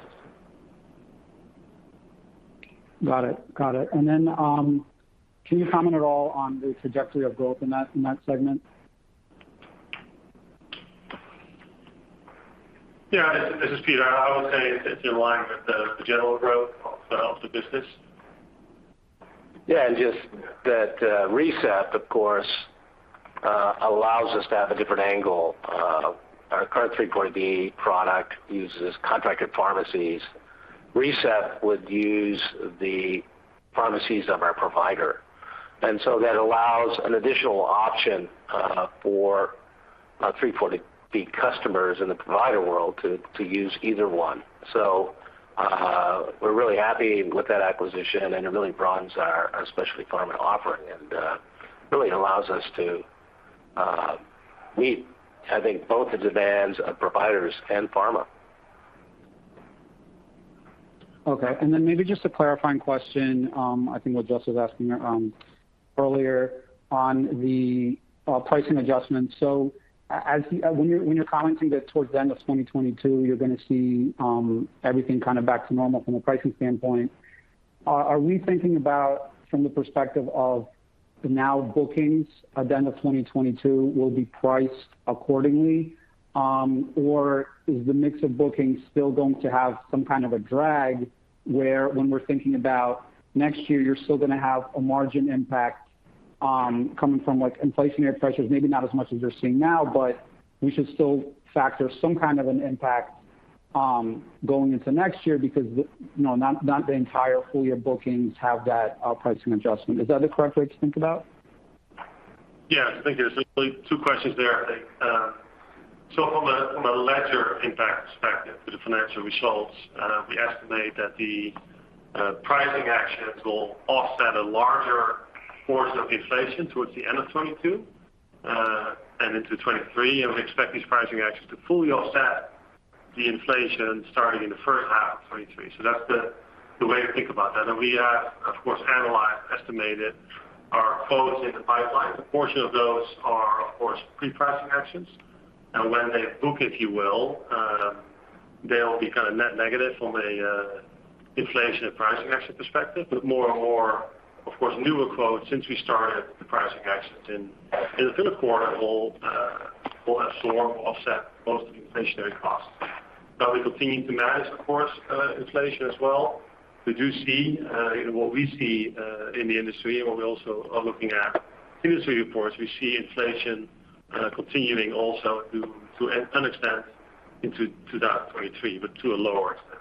systems. Got it. Can you comment at all on the trajectory of growth in that segment? Yeah. This is Peter. I would say it's in line with the general growth of the business. Just that, ReCept, of course, allows us to have a different angle. Our current 340B product uses contracted pharmacies. ReCept would use the pharmacies of our provider. That allows an additional option for our 340B customers in the provider world to use either one. We're really happy with that acquisition, and it really broadens our specialty pharma offering and really allows us to meet, I think, both the demands of providers and pharma. Okay. Maybe just a clarifying question, I think what Jess was asking earlier on the pricing adjustments. When you're commenting that towards the end of 2022, you're gonna see everything kind of back to normal from a pricing standpoint, are we thinking about from the perspective of the new bookings at the end of 2022 will be priced accordingly? Or is the mix of bookings still going to have some kind of a drag where when we're thinking about next year, you're still gonna have a margin impact coming from like inflationary pressures, maybe not as much as you're seeing now, but we should still factor some kind of an impact going into next year because you know, not the entire full year bookings have that pricing adjustment. Is that the correct way to think about? Yeah. I think there's like two questions there, I think. So from a ledger impact perspective for the financial results, we estimate that the pricing actions will offset a larger portion of inflation towards the end of 2022 and into 2023. We expect these pricing actions to fully offset the inflation starting in the first half of 2023. So that's the way to think about that. We have, of course, analyzed, estimated our quotes in the pipeline. A portion of those are, of course, pre-pricing actions. When they book, if you will, they'll be kind of net negative from a inflation and pricing action perspective. But more and more, of course, newer quotes since we started the pricing actions in the third quarter will absorb offset most of the inflationary costs. We're continuing to manage, of course, inflation as well. We do see what we see in the industry and what we also are looking at industry reports. We see inflation continuing also to an extent into 2023, but to a lower extent.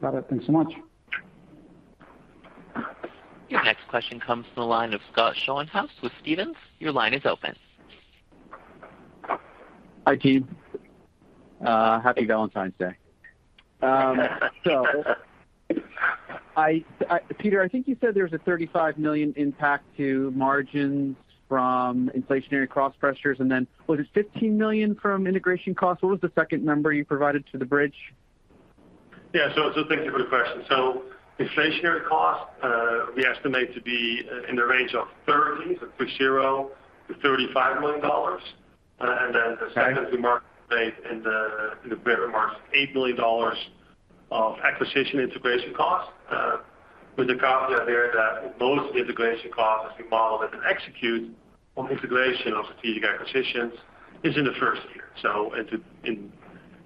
Got it. Thanks so much. Your next question comes from the line of Scott Schoenhaus with Stephens. Your line is open. Hi, team. Happy Valentine's Day. Peter, I think you said there was a $35 million impact to margins from inflationary cost pressures, and then was it $15 million from integration costs? What was the second number you provided to the bridge? Thank you for the question. Inflationary costs, we estimate to be in the range of $30 million-$35 million. The second we mark today in the prepared remarks, $8 million of acquisition integration costs, with the caveat there that most integration costs as we modeled and execute on integration of strategic acquisitions is in the first year. In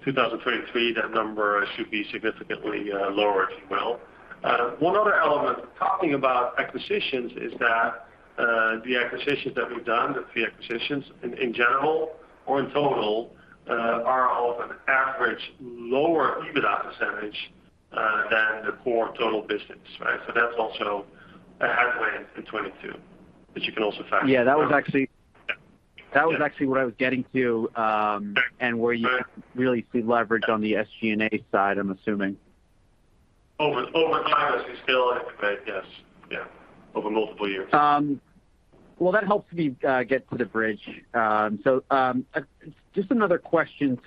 2023, that number should be significantly lower. One other element talking about acquisitions is that the acquisitions that we've done, the three acquisitions in general or in total, are of an average lower EBITDA percentage than the core total business, right? That's also a headwind in 2022 that you can also factor. Yeah, that was actually. Yeah. That was actually what I was getting to. Sure. where you really see leverage on the SG&A side, I'm assuming. Over time, as we scale it, but yes. Yeah. Over multiple years. Well, that helps me get to the bridge. Just another question.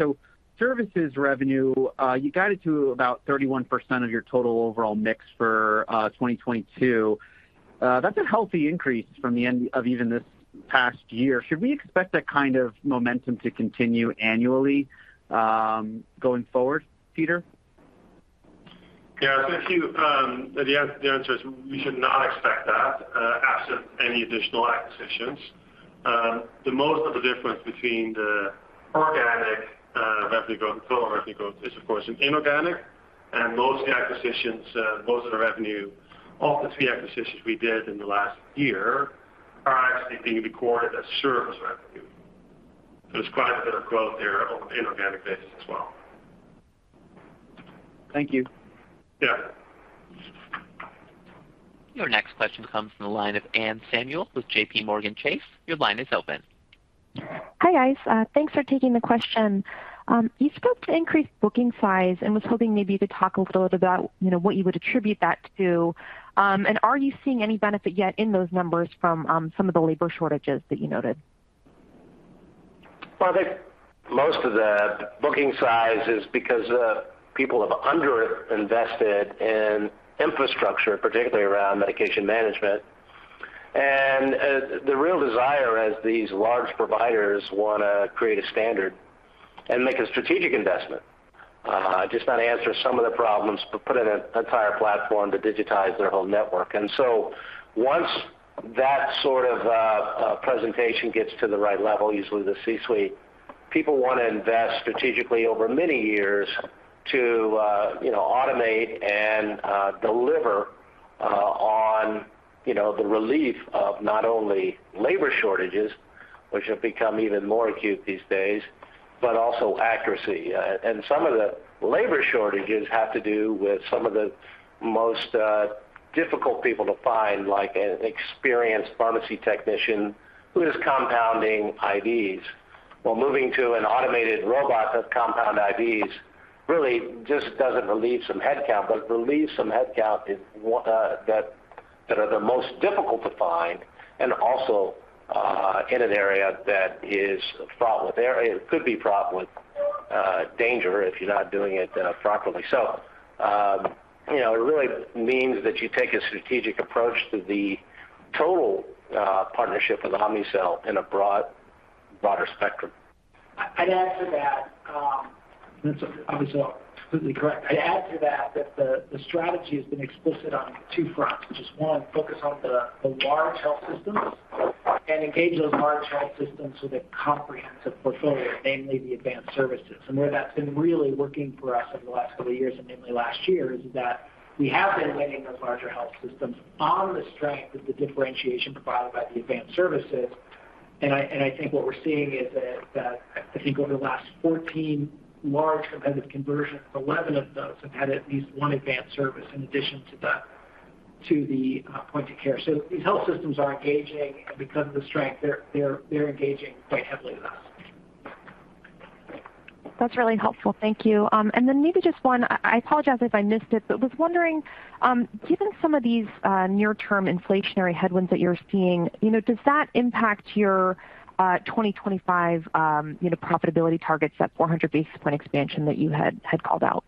Services revenue, you guide it to about 31% of your total overall mix for 2022. That's a healthy increase from the end of even this past year. Should we expect that kind of momentum to continue annually, going forward, Peter? Yeah. The answer is we should not expect that, absent any additional acquisitions. Most of the difference between the organic revenue growth and total revenue growth is of course inorganic. Most of the revenue of the three acquisitions we did in the last year is actually being recorded as service revenue. There's quite a bit of growth there on an inorganic basis as well. Thank you. Yeah. Your next question comes from the line of Anne Samuel with JPMorgan Chase. Your line is open. Hi, guys. Thanks for taking the question. You spoke to increased booking size and I was hoping maybe you could talk a little bit about, you know, what you would attribute that to. Are you seeing any benefit yet in those numbers from some of the labor shortages that you noted? Well, I think most of the booking size is because people have underinvested in infrastructure, particularly around medication management. The real desire as these large providers wanna create a standard and make a strategic investment, just not answer some of the problems, but put in an entire platform to digitize their whole network. Once that sort of presentation gets to the right level, usually the C-suite, people wanna invest strategically over many years to you know, automate and deliver on you know, the relief of not only labor shortages, which have become even more acute these days, but also accuracy. Some of the labor shortages have to do with some of the most difficult people to find, like an experienced pharmacy technician who is compounding IVs, while moving to an automated robot that compound IVs really just doesn't relieve some headcount, but relieves some headcount in that are the most difficult to find and also in an area that could be fraught with danger if you're not doing it properly. You know, it really means that you take a strategic approach to the total partnership with Omnicell in a broader spectrum. I'd add to that. That's obviously completely correct. I'd add to that the strategy has been explicit on two fronts, which is, one, focus on the large health systems and engage those large health systems with a comprehensive portfolio, namely the advanced services. And where that's been really working for us over the last couple of years, and namely last year, is that we have been winning those larger health systems on the strength of the differentiation provided by the advanced services. And I think what we're seeing is that I think over the last 14 large competitive conversions, 11 of those have had at least one advanced service in addition to the point of care. So these health systems are engaging, and because of the strength, they're engaging quite heavily with us. That's really helpful. Thank you. Maybe just one. I apologize if I missed it, but was wondering, given some of these near-term inflationary headwinds that you're seeing, you know, does that impact your 2025 profitability targets, that 400 basis point expansion that you had called out?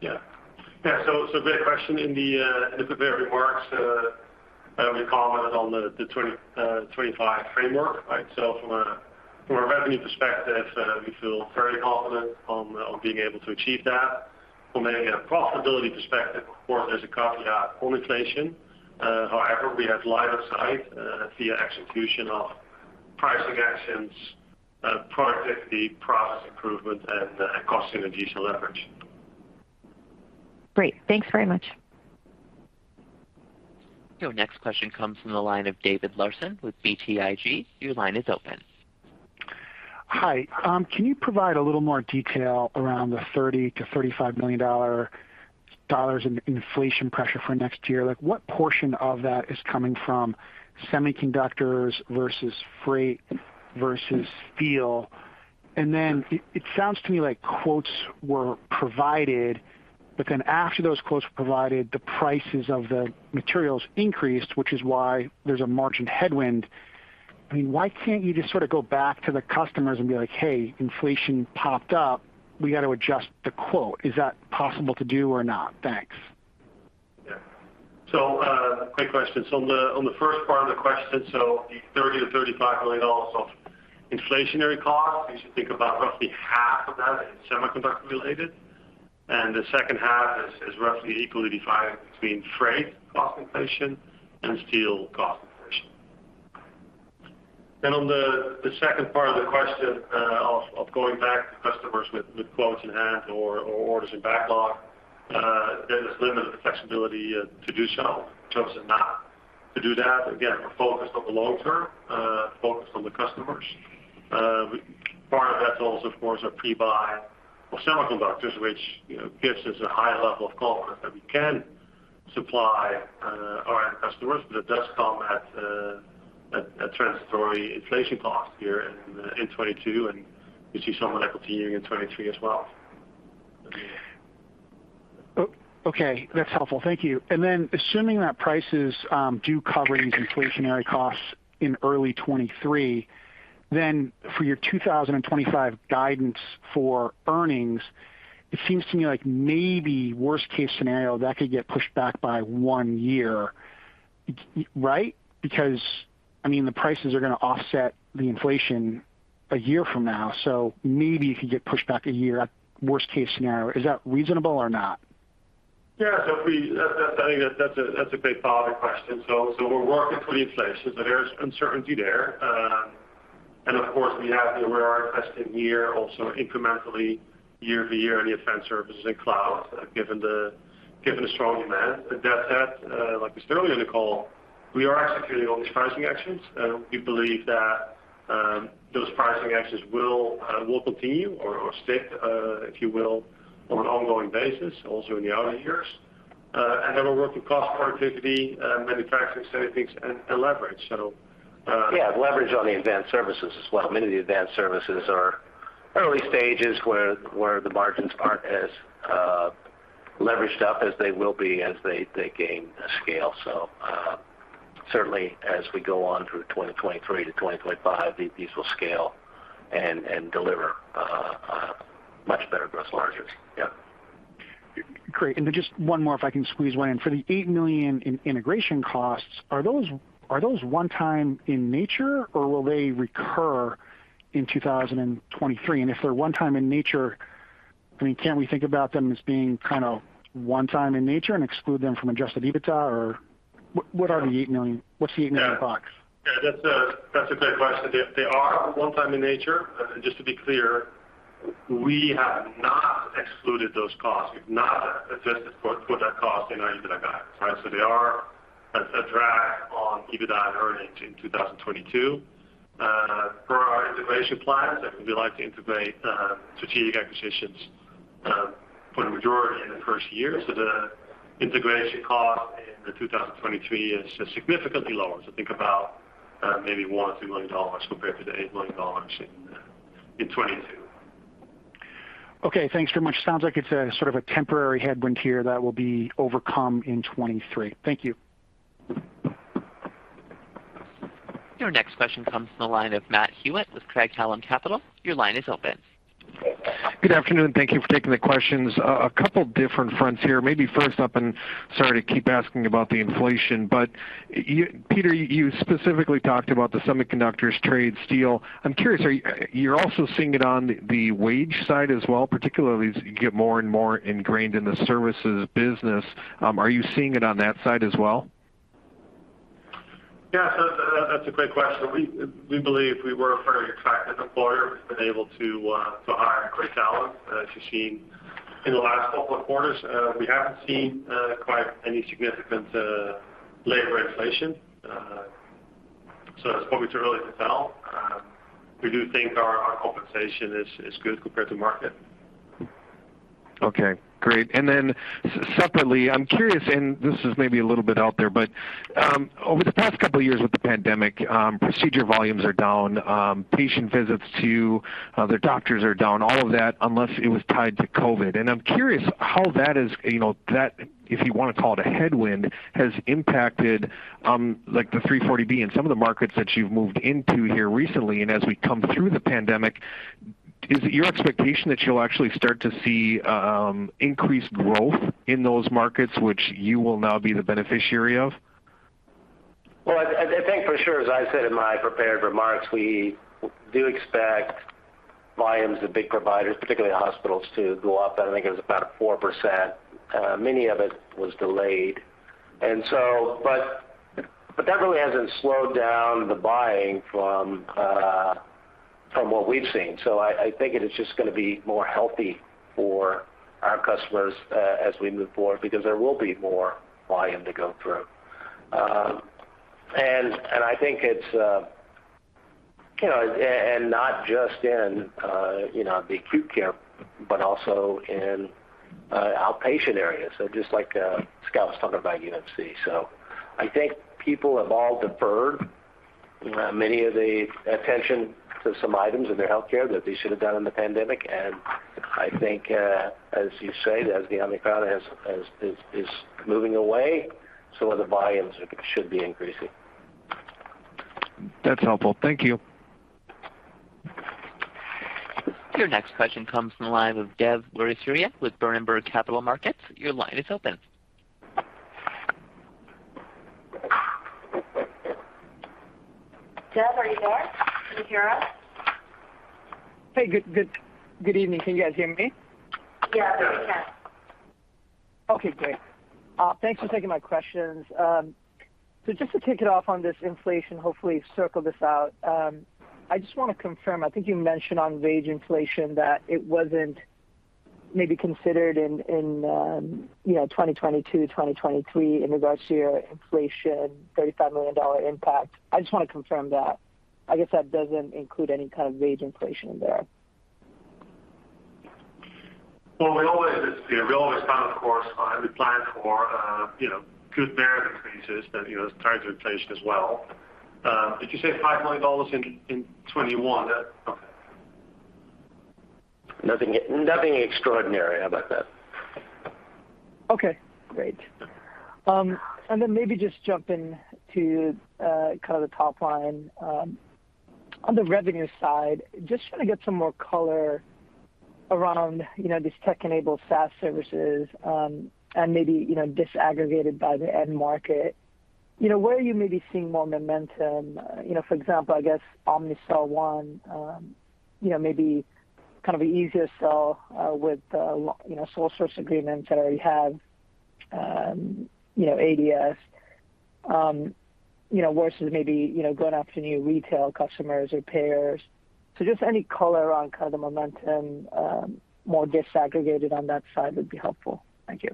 Great question. In the prepared remarks, we commented on the 25 framework, right? From a revenue perspective, we feel very confident on being able to achieve that. From a profitability perspective, of course, there's a caveat on inflation. However, we have line of sight via execution of pricing actions, productivity, process improvement, and cost synergies and leverage. Great. Thanks very much. Your next question comes from the line of David Larsen with BTIG. Your line is open. Hi. Can you provide a little more detail around the $30 million-$35 million in inflation pressure for next year? Like, what portion of that is coming from semiconductors versus freight versus steel? Then it sounds to me like quotes were provided, but then after those quotes were provided, the prices of the materials increased, which is why there's a margin headwind. I mean, why can't you just sort of go back to the customers and be like, "Hey, inflation popped up. We got to adjust the quote." Is that possible to do or not? Thanks. Great question. On the first part of the question, the $30-$35 million of inflationary costs, you should think about roughly half of that is semiconductor related, and the second half is roughly equally divided between freight cost inflation and steel cost inflation. On the second part of the question, of going back to customers with quotes in hand or orders in backlog, there's limited flexibility to do so. We've chosen not to do that. Again, we're focused on the long term, focused on the customers. Part of that's also, of course, our pre-buy of semiconductors, which, you know, gives us a high level of confidence that we can supply our end customers. It does come at transitory inflation costs here in 2022, and we see some of that continuing in 2023 as well. Oh, okay. That's helpful. Thank you. Assuming that prices do cover these inflationary costs in early 2023, for your 2025 guidance for earnings, it seems to me like maybe worst case scenario that could get pushed back by one year. Right? Because, I mean, the prices are gonna offset the inflation a year from now, so maybe it could get pushed back a year at worst case scenario. Is that reasonable or not? That's a great thought or question. We're working through the inflation. There's uncertainty there. Of course, we have the higher investing year also incrementally year over year in the advanced services and cloud, given the strong demand. That said, like we said earlier in the call, we are executing on these pricing actions, and we believe that those pricing actions will continue or stick, if you will, on an ongoing basis also in the outer years. Then we're working cost productivity, manufacturing, same things, and leverage. Yeah, leverage on the advanced services as well. Many of the advanced services are early stages where the margins aren't as leveraged up as they will be as they gain scale. Certainly as we go on through 2023 to 2025, these will scale and deliver much better gross margins. Yeah. Great. Just one more, if I can squeeze one in. For the $8 million in integration costs, are those one-time in nature, or will they recur in 2023? If they're one-time in nature, I mean, can't we think about them as being kind of one-time in nature and exclude them from adjusted EBITDA or what are the $8 million? What's the $8 million box? Yeah, that's a great question. They are one time in nature. Just to be clear, we have not excluded those costs. We've not adjusted for that cost in our EBITDA guidance, right? So they are a drag on EBITDA earnings in 2022. For our integration plans, we like to integrate strategic acquisitions for the majority in the first year. So the integration cost in 2023 is significantly lower, so think about maybe $1 million or $2 million compared to the $8 million in 2022. Okay. Thanks very much. Sounds like it's a sort of a temporary headwind here that will be overcome in 2023. Thank you. Your next question comes from the line of Matt Hewitt with Craig-Hallum Capital. Your line is open. Good afternoon. Thank you for taking the questions. A couple different fronts here. Maybe first up, and sorry to keep asking about the inflation, but you, Peter, you specifically talked about the semiconductors trade, steel. I'm curious, are you're also seeing it on the wage side as well, particularly as you get more and more ingrained in the services business. Are you seeing it on that side as well? That's a great question. We believe we were a very attractive employer. We've been able to hire great talent, as you've seen in the last couple of quarters. We haven't seen quite any significant labor inflation. It's probably too early to tell. We do think our compensation is good compared to market. Okay, great. Separately, I'm curious, and this is maybe a little bit out there, but over the past couple of years with the pandemic, procedure volumes are down, patient visits to their doctors are down, all of that, unless it was tied to COVID. I'm curious how that is, you know, that if you wanna call it a headwind, has impacted, like, the 340B and some of the markets that you've moved into here recently. As we come through the pandemic, is it your expectation that you'll actually start to see increased growth in those markets which you will now be the beneficiary of? Well, I think for sure, as I said in my prepared remarks, we do expect volumes of big providers, particularly hospitals, to go up. I think it was about 4%. Many of it was delayed. But that really hasn't slowed down the buying from what we've seen. I think it is just gonna be more healthy for our customers as we move forward because there will be more volume to go through. I think it's you know. Not just in you know, the acute care, but also in outpatient areas. Just like Scott was talking about UMC. I think people have all deferred many of the attention to some items in their healthcare that they should have done in the pandemic. I think, as you say, that as the Omicron is moving away, some of the volumes should be increasing. That's helpful. Thank you. Your next question comes from the line of Dev Weerasuriya with Berenberg Capital Markets. Your line is open. Dev, are you there? Can you hear us? Good evening. Can you guys hear me? Yeah, Dev, we can. Okay, great. Thanks for taking my questions. Just to kick it off on this inflation, hopefully circle this out, I just wanna confirm. I think you mentioned on wage inflation that it wasn't maybe considered in you know, 2022, 2023 in regards to your inflation, $35 million impact. I just wanna confirm that. I guess that doesn't include any kind of wage inflation in there. Well, we always plan, of course, we plan for, you know, good merit increases that, you know, targets inflation as well. Did you say $5 million in 2021? Okay. Nothing, nothing extraordinary. How about that? Okay, great. Maybe just jumping to kind of the top line. On the revenue side, just trying to get some more color around, you know, these tech-enabled SaaS services, and maybe, you know, disaggregated by the end market. You know, where are you maybe seeing more momentum? You know, for example, I guess Omnicell One, maybe kind of easier sell, with you know, sole source agreements that already have, you know, ADS, versus maybe, you know, going after new retail customers or payers. Just any color around kind of the momentum, more disaggregated on that side would be helpful. Thank you.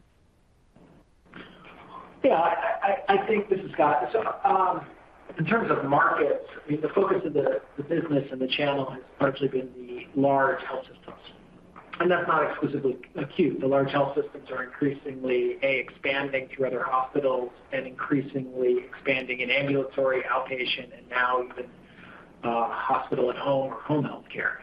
Yeah, I think this is Scott. In terms of markets, I mean, the focus of the business and the channel has largely been the large health systems, and that's not exclusively acute. The large health systems are increasingly expanding to other hospitals and increasingly expanding in ambulatory outpatient and now even hospital at home or home health care.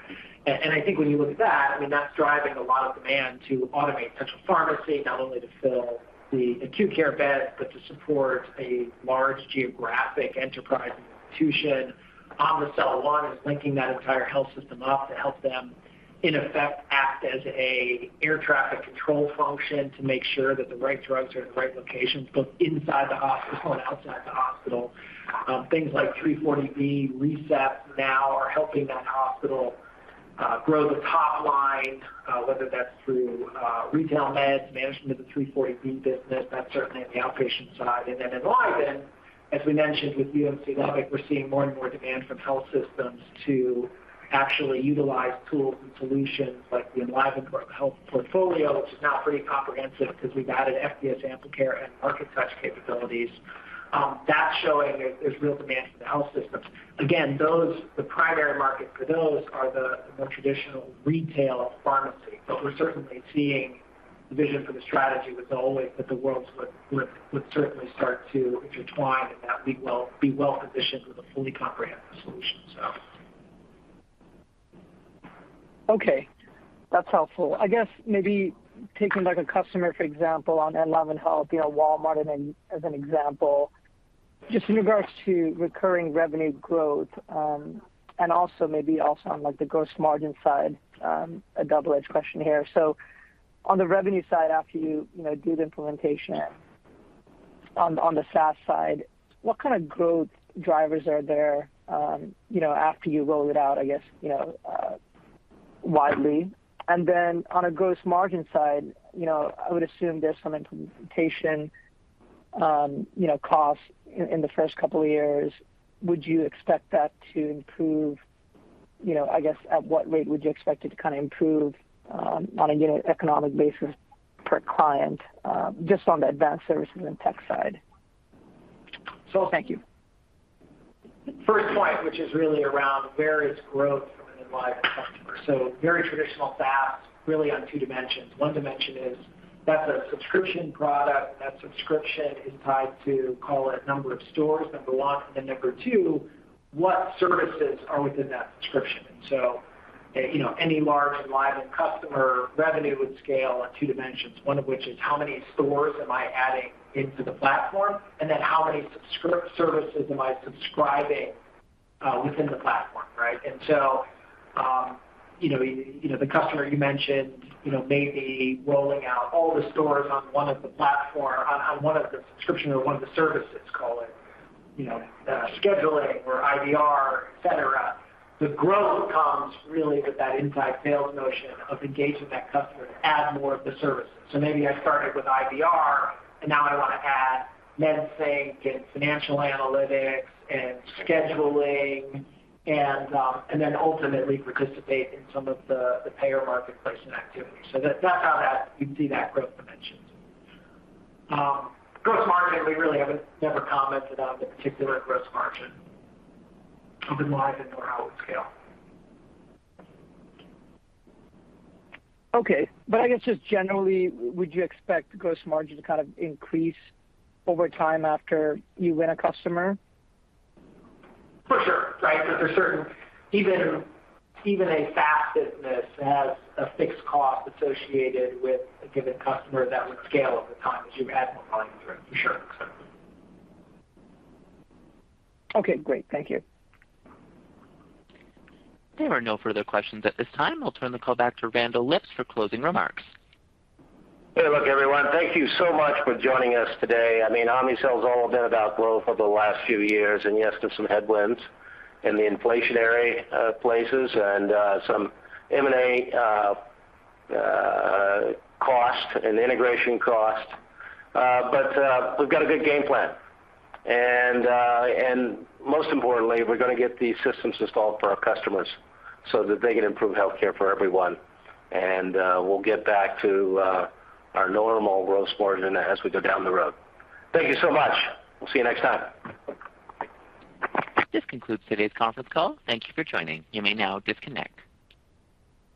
I think when you look at that, I mean, that's driving a lot of demand to automate central pharmacy, not only to fill the acute care beds, but to support a large geographic enterprise institution. Omnicell One is linking that entire health system up to help them, in effect, act as an air traffic control function to make sure that the right drugs are in the right locations, both inside the hospital and outside the hospital. Things like 340B ReCept now are helping that hospital grow the top line, whether that's through retail meds management of the 340B business. That's certainly on the outpatient side. EnlivenHealth, as we mentioned with UMC Health, we're seeing more and more demand from health systems to actually utilize tools and solutions like the EnlivenHealth portfolio, which is now pretty comprehensive because we've added FDS Amplicare and MarkeTouch capabilities. That's showing there's real demand from the health systems. Again, those the primary market for those are the more traditional retail pharmacy. We're certainly seeing the vision for the strategy with Omnicell that the worlds would certainly start to intertwine and that we'd be well-positioned with a fully comprehensive solution. Okay, that's helpful. I guess maybe taking like a customer, for example, on EnlivenHealth, you know, Walmart as an example, just in regards to recurring revenue growth, and also maybe also on like the gross margin side, a double-edged question here. On the revenue side, after you know, do the implementation on the SaaS side, what kind of growth drivers are there, you know, after you roll it out, I guess, you know, widely? And then on a gross margin side, you know, I would assume there's some implementation, you know, costs in the first couple of years. Would you expect that to improve? You know, I guess at what rate would you expect it to kinda improve, on a unit economic basis per client, just on the advanced services and tech side? So- Thank you. First point, which is really around where is growth from an EnlivenHealth customer. Very traditional SaaS really on two dimensions. One dimension is that's a subscription product. That subscription is tied to, call it, number of stores, number one. And then number two, what services are within that subscription? You know, any large EnlivenHealth customer revenue would scale on two dimensions, one of which is how many stores am I adding into the platform, and then how many services am I subscribing within the platform, right? You know, the customer you mentioned, you know, may be rolling out all the stores on one of the platform on one of the subscription or one of the services, call it, you know, scheduling or IVR, et cetera. The growth comes really with that inside sales notion of engaging that customer to add more of the services. Maybe I started with IVR, and now I wanna add MedSync and financial analytics and scheduling and then ultimately participate in some of the payer marketplace and activities. That's how you'd see that growth dimension. Gross margin, we really never commented on the particular gross margin of EnlivenHealth or how it would scale. Okay. I guess just generally, would you expect gross margin to kind of increase over time after you win a customer? For sure, right. Even a SaaS business has a fixed cost associated with a given customer that would scale over time as you add more volume to it, for sure. Okay, great. Thank you. There are no further questions at this time. I'll turn the call back to Randall Lipps for closing remarks. Good luck, everyone. Thank you so much for joining us today. I mean, Omnicell's all been about growth over the last few years. Yes, there's some headwinds in the inflationary places and some M&A cost and integration cost. We've got a good game plan. Most importantly, we're gonna get these systems installed for our customers so that they can improve healthcare for everyone. We'll get back to our normal growth margin as we go down the road. Thank you so much. We'll see you next time. This concludes today's conference call. Thank you for joining. You may now disconnect.